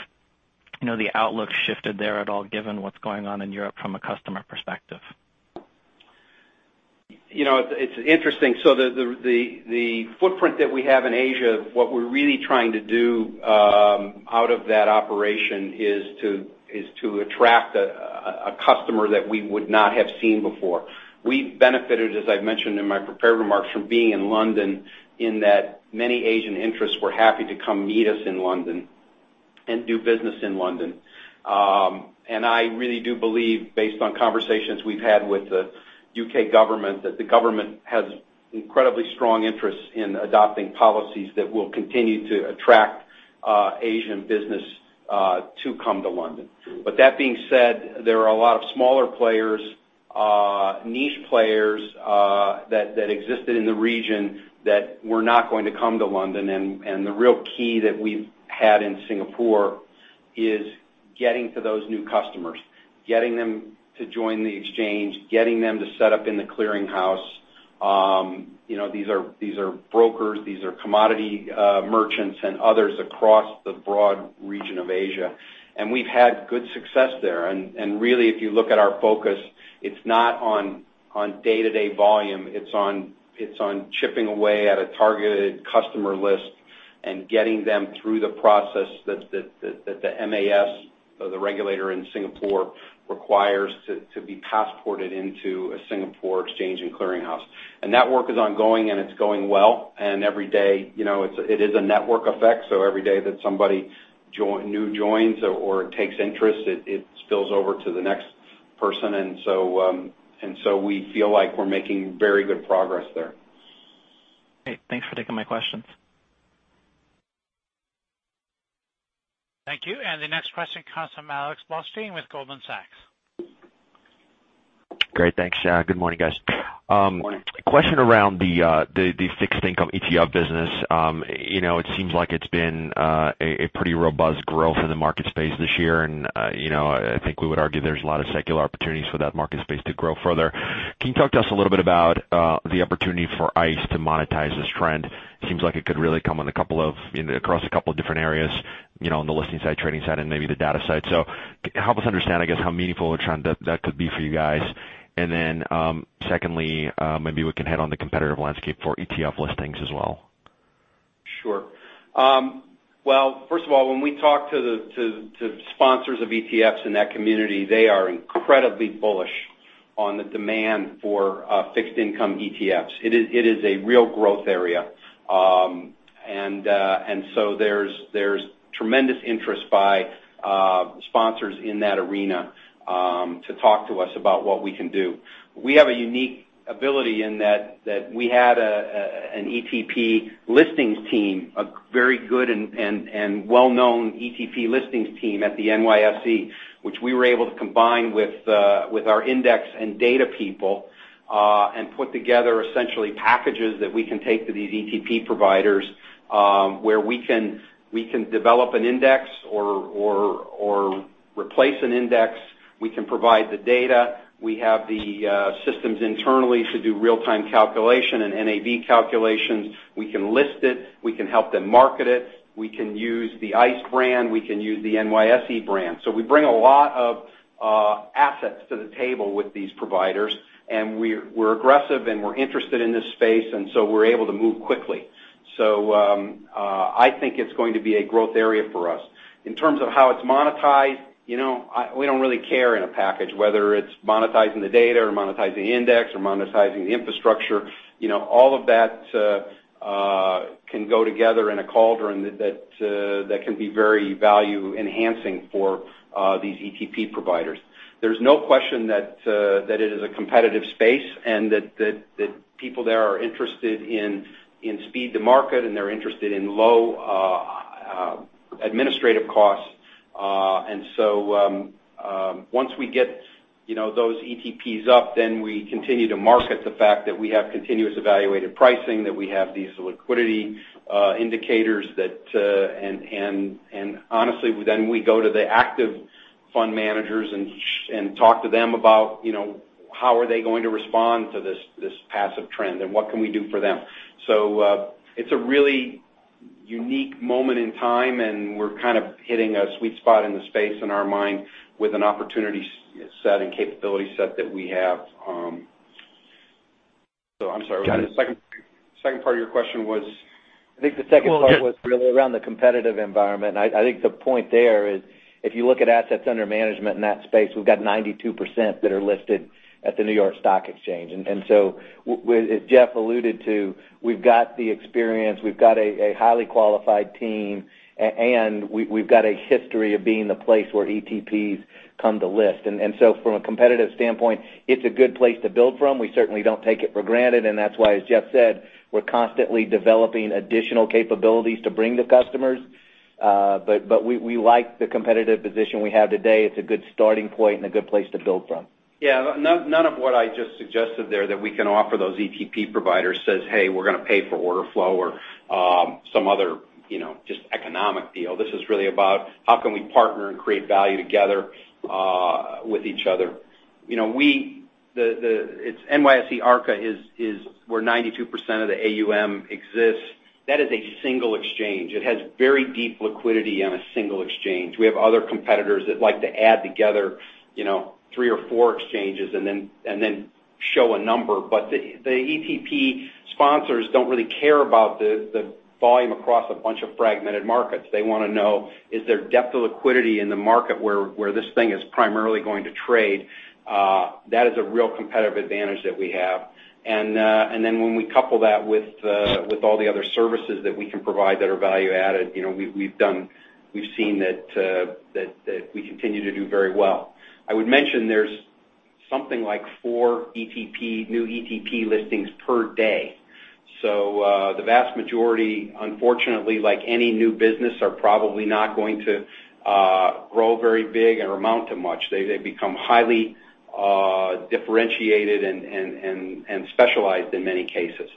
the outlook's shifted there at all, given what's going on in Europe from a customer perspective. It's interesting. The footprint that we have in Asia, what we're really trying to do out of that operation is to attract a customer that we would not have seen before. We've benefited, as I've mentioned in my prepared remarks, from being in London, in that many Asian interests were happy to come meet us in London and do business in London. I really do believe, based on conversations we've had with the U.K. government, that the government has incredibly strong interests in adopting policies that will continue to attract Asian business to come to London. That being said, there are a lot of smaller players, niche players, that existed in the region that were not going to come to London, the real key that we've had in Singapore is getting to those new customers, getting them to join the exchange, getting them to set up in the clearinghouse. These are brokers, these are commodity merchants, and others across the broad region of Asia. We've had good success there. Really, if you look at our focus, it's not on day-to-day volume. It's on chipping away at a targeted customer list and getting them through the process that the MAS, the regulator in Singapore, requires to be passported into a Singapore exchange and clearinghouse. That work is ongoing, and it's going well. It is a network effect, so every day that somebody new joins or takes interest, it spills over to the next person. We feel like we're making very good progress there. Great. Thanks for taking my questions. Thank you. The next question comes from Alex Blostein with Goldman Sachs. Great. Thanks, Sean. Good morning, guys. Good morning. Question around the fixed income ETF business. It seems like it's been a pretty robust growth in the market space this year, and I think we would argue there's a lot of secular opportunities for that market space to grow further. Can you talk to us a little bit about the opportunity for ICE to monetize this trend? Seems like it could really come across a couple of different areas, on the listing side, trading side, and maybe the data side. Help us understand, I guess, how meaningful a trend that could be for you guys. Then, secondly, maybe we can hit on the competitive landscape for ETF listings as well. Sure. Well, first of all, when we talk to sponsors of ETFs in that community, they are incredibly bullish on the demand for fixed income ETFs. It is a real growth area. There's tremendous interest by sponsors in that arena to talk to us about what we can do. We have a unique ability in that we had an ETP listings team, a very good and well-known ETP listings team at the NYSE, which we were able to combine with our index and data people, and put together essentially packages that we can take to these ETP providers, where we can develop an index or replace an index. We can provide the data. We have the systems internally to do real-time calculation and NAV calculations. We can list it. We can help them market it. We can use the ICE brand. We can use the NYSE brand. We bring a lot of assets to the table with these providers, and we're aggressive, and we're interested in this space, and so we're able to move quickly. I think it's going to be a growth area for us. In terms of how it's monetized, we don't really care in a package whether it's monetizing the data or monetizing the index or monetizing the infrastructure. All of that can go together in a cauldron that can be very value-enhancing for these ETP providers. There's no question that it is a competitive space and that people there are interested in speed to market, and they're interested in low administrative costs. Once we get those ETPs up, then we continue to market the fact that we have continuous evaluated pricing, that we have these liquidity indicators. Honestly, then we go to the active fund managers and talk to them about how are they going to respond to this passive trend, and what can we do for them. It's a really unique moment in time, and we're kind of hitting a sweet spot in the space in our mind with an opportunity set and capability set that we have. I'm sorry, the second part of your question was? I think the second part was really around the competitive environment. I think the point there is, if you look at assets under management in that space, we've got 92% that are listed at the New York Stock Exchange. As Jeff alluded to, we've got the experience, we've got a highly qualified team, and we've got a history of being the place where ETPs come to list. From a competitive standpoint, it's a good place to build from. We certainly don't take it for granted, and that's why, as Jeff said, we're constantly developing additional capabilities to bring to customers. We like the competitive position we have today. It's a good starting point and a good place to build from. Yeah. None of what I just suggested there that we can offer those ETP providers says, "Hey, we're going to pay for order flow" or some other just economic deal. This is really about how can we partner and create value together with each other. NYSE Arca is where 92% of the AUM exists. That is a single exchange. It has very deep liquidity on a single exchange. We have other competitors that like to add together three or four exchanges and then show a number. The ETP sponsors don't really care about the volume across a bunch of fragmented markets. They want to know is there depth of liquidity in the market where this thing is primarily going to trade. That is a real competitive advantage that we have. When we couple that with all the other services that we can provide that are value-added, we've seen that we continue to do very well. I would mention there's something like four new ETP listings per day. The vast majority, unfortunately, like any new business, are probably not going to grow very big or amount to much. They become highly differentiated and specialized in many cases.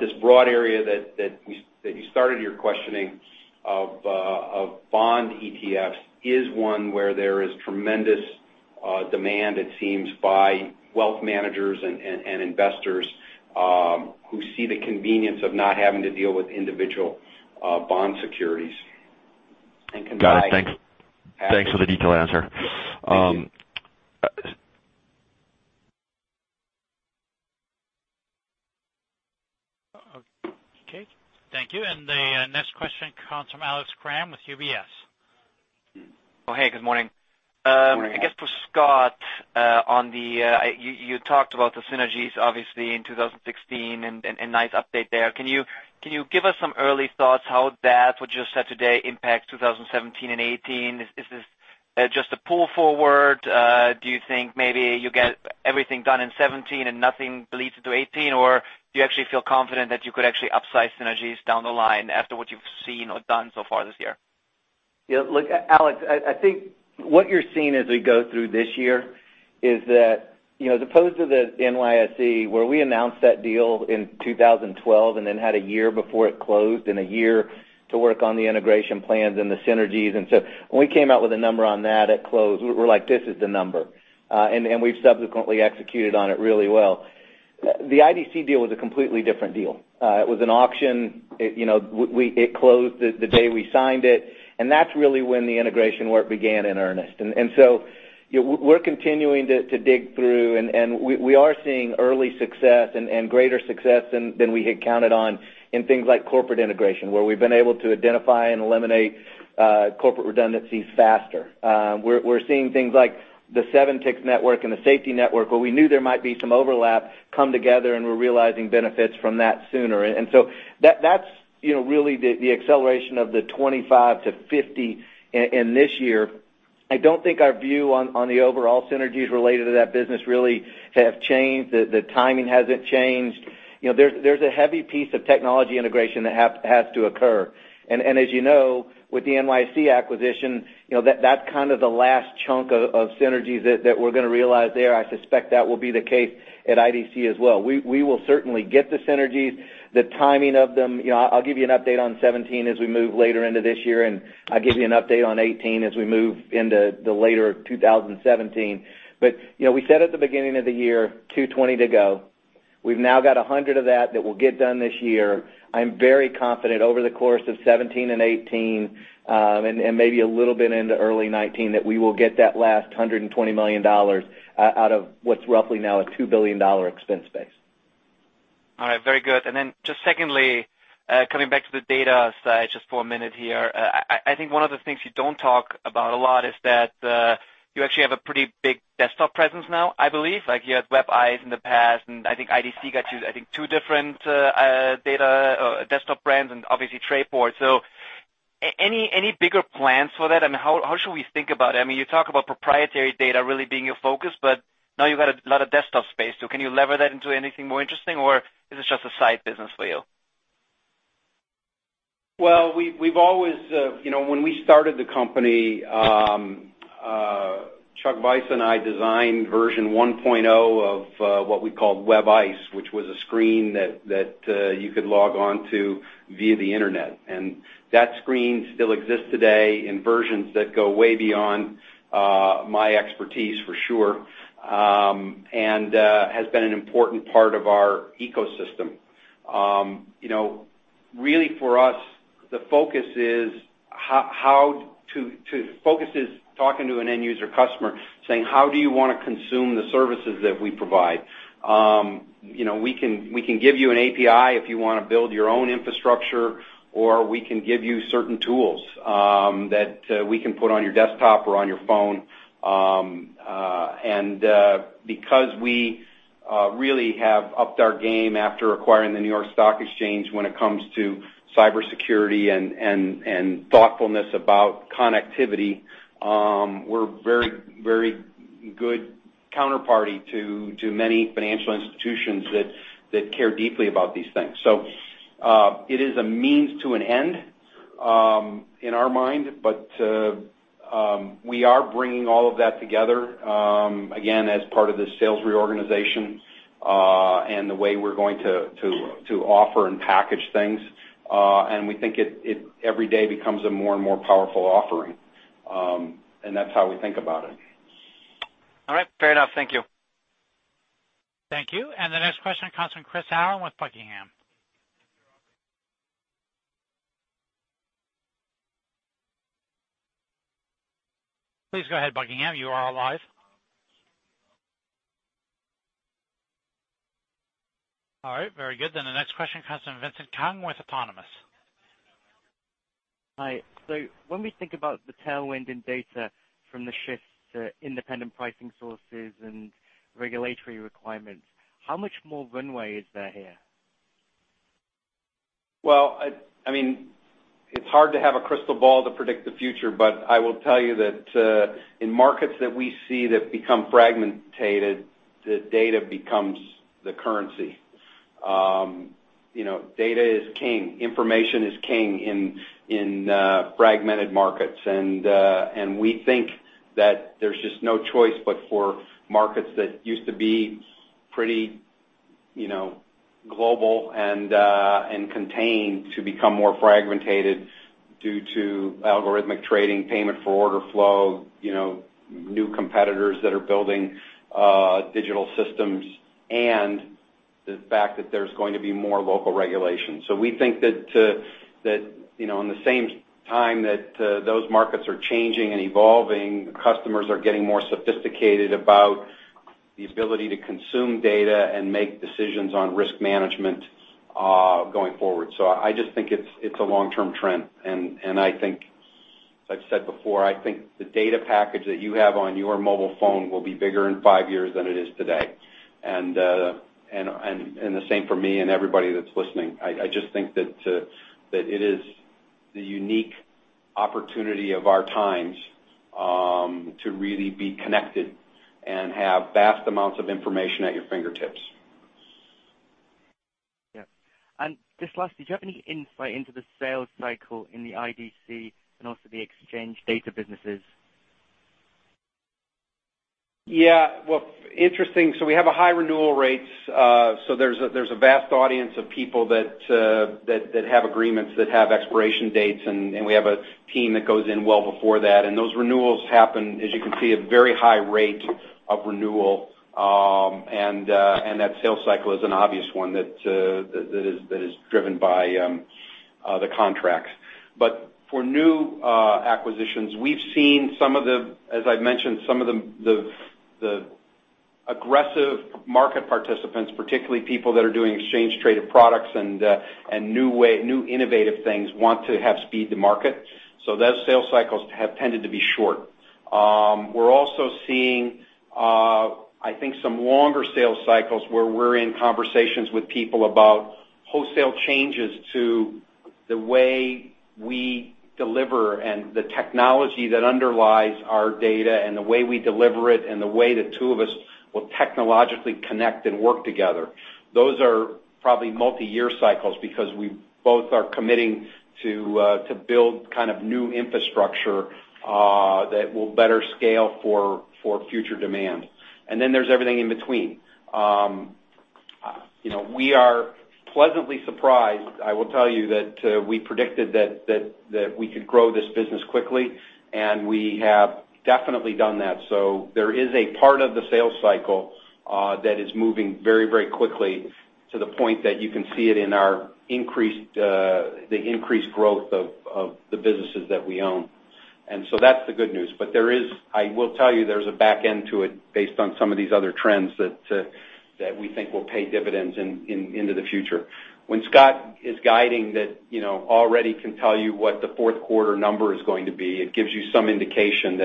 This broad area that you started your questioning of bond ETFs is one where there is tremendous demand, it seems, by wealth managers and investors, who see the convenience of not having to deal with individual bond securities and can buy. Got it. Thanks. Thanks for the detailed answer. Thank you. Okay. Thank you. The next question comes from Alex Kramm with UBS. Hey, good morning. Good morning. I guess for Scott, you talked about the synergies obviously in 2016, and nice update there. Can you give us some early thoughts how that, what you said today, impacts 2017 and 2018? Is this just a pull forward? Do you think maybe you get everything done in 2017 and nothing bleeds into 2018, or do you actually feel confident that you could actually upsize synergies down the line after what you've seen or done so far this year? Look, Alex, I think what you're seeing as we go through this year is that, as opposed to the NYSE, where we announced that deal in 2012 and then had a year before it closed and a year to work on the integration plans and the synergies. When we came out with a number on that at close, we were like, "This is the number." We've subsequently executed on it really well. The IDC deal was a completely different deal. It was an auction. It closed the day we signed it, and that's really when the integration work began in earnest. We're continuing to dig through, and we are seeing early success and greater success than we had counted on in things like corporate integration, where we've been able to identify and eliminate corporate redundancies faster. We're seeing things like the 7ticks network and the SFTI network, where we knew there might be some overlap, come together, and we're realizing benefits from that sooner. That's really the acceleration of the 25 to 50 in this year. I don't think our view on the overall synergies related to that business really have changed. The timing hasn't changed. There's a heavy piece of technology integration that has to occur. As you know, with the NYSE acquisition, that's kind of the last chunk of synergies that we're going to realize there. I suspect that will be the case at IDC as well. We will certainly get the synergies. The timing of them, I'll give you an update on 2017 as we move later into this year, and I'll give you an update on 2018 as we move into the later 2017. We said at the beginning of the year, 220 to go. We've now got 100 of that will get done this year. I'm very confident over the course of 2017 and 2018, and maybe a little bit into early 2019, that we will get that last $120 million out of what's roughly now a $2 billion expense base. All right. Very good. Just secondly, coming back to the data side just for a minute here. I think one of the things you don't talk about a lot is that you actually have a pretty big desktop presence now, I believe. Like you had WebICE in the past, and I think IDC got you, I think, two different data desktop brands and obviously Trayport. Any bigger plans for that? How should we think about it? You talk about proprietary data really being your focus, but now you've got a lot of desktop space, too. Can you lever that into anything more interesting, or is this just a side business for you? Well, when we started the company, Chuck Vice and I designed version 1.0 of what we called WebICE, which was a screen that you could log on to via the internet. That screen still exists today in versions that go way beyond my expertise, for sure, and has been an important part of our ecosystem. Really for us, the focus is talking to an end user customer, saying, "How do you want to consume the services that we provide?" We can give you an API if you want to build your own infrastructure, or we can give you certain tools that we can put on your desktop or on your phone. Because we really have upped our game after acquiring the New York Stock Exchange when it comes to cybersecurity and thoughtfulness about connectivity, we're a very good counterparty to many financial institutions that care deeply about these things. It is a means to an end in our mind, but we are bringing all of that together, again, as part of this sales reorganization, and the way we're going to offer and package things. We think it every day becomes a more and more powerful offering. That's how we think about it. All right. Fair enough. Thank you. Thank you. The next question comes from Chris Allen with Buckingham. Please go ahead, Buckingham. You are live. All right. Very good. The next question comes from Vincent Hung with Autonomous. Hi. When we think about the tailwind in data from the shift to independent pricing sources and regulatory requirements, how much more runway is there here? It's hard to have a crystal ball to predict the future, I will tell you that in markets that we see that become fragmented, the data becomes the currency. Data is king. Information is king in fragmented markets. We think that there's just no choice but for markets that used to be pretty global and contained to become more fragmented due to algorithmic trading, payment for order flow, new competitors that are building digital systems, and the fact that there's going to be more local regulations. We think that in the same time that those markets are changing and evolving, customers are getting more sophisticated about the ability to consume data and make decisions on risk management going forward. I just think it's a long-term trend, as I've said before, I think the data package that you have on your mobile phone will be bigger in five years than it is today. The same for me and everybody that's listening. I just think that it is the unique opportunity of our times to really be connected and have vast amounts of information at your fingertips. Yeah. Just last, did you have any insight into the sales cycle in the IDC and also the exchange data businesses? Yeah. Well, interesting. We have a high renewal rates. There's a vast audience of people that have agreements, that have expiration dates, we have a team that goes in well before that. Those renewals happen, as you can see, at very high rate of renewal. That sales cycle is an obvious one that is driven by the contracts. For new acquisitions, we've seen, as I've mentioned, some of the aggressive market participants, particularly people that are doing exchange traded products and new innovative things want to have speed to market. Those sales cycles have tended to be short. We're also seeing, I think some longer sales cycles where we're in conversations with people about wholesale changes to the way we deliver and the technology that underlies our data, and the way we deliver it, and the way the two of us will technologically connect and work together. Those are probably multi-year cycles because we both are committing to build kind of new infrastructure, that will better scale for future demand. Then there's everything in between. We are pleasantly surprised, I will tell you, that we predicted that we could grow this business quickly, we have definitely done that. There is a part of the sales cycle that is moving very quickly to the point that you can see it in the increased growth of the businesses that we own. That's the good news. I will tell you, there's a back end to it based on some of these other trends that we think will pay dividends into the future. When Scott is guiding that already can tell you what the fourth quarter number is going to be, it gives you some indication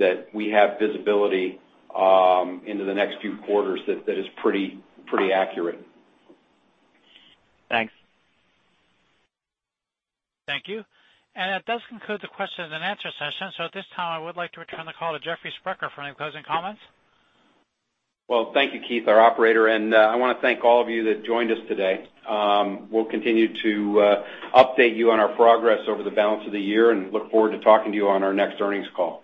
that we have visibility into the next few quarters that is pretty accurate. Thanks. Thank you. That does conclude the question and answer session. At this time, I would like to return the call to Jeffrey Sprecher for any closing comments. Well, thank you, Keith, our operator, and I want to thank all of you that joined us today. We'll continue to update you on our progress over the balance of the year and look forward to talking to you on our next earnings call.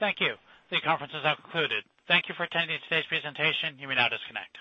Thank you. The conference has now concluded. Thank you for attending today's presentation. You may now disconnect.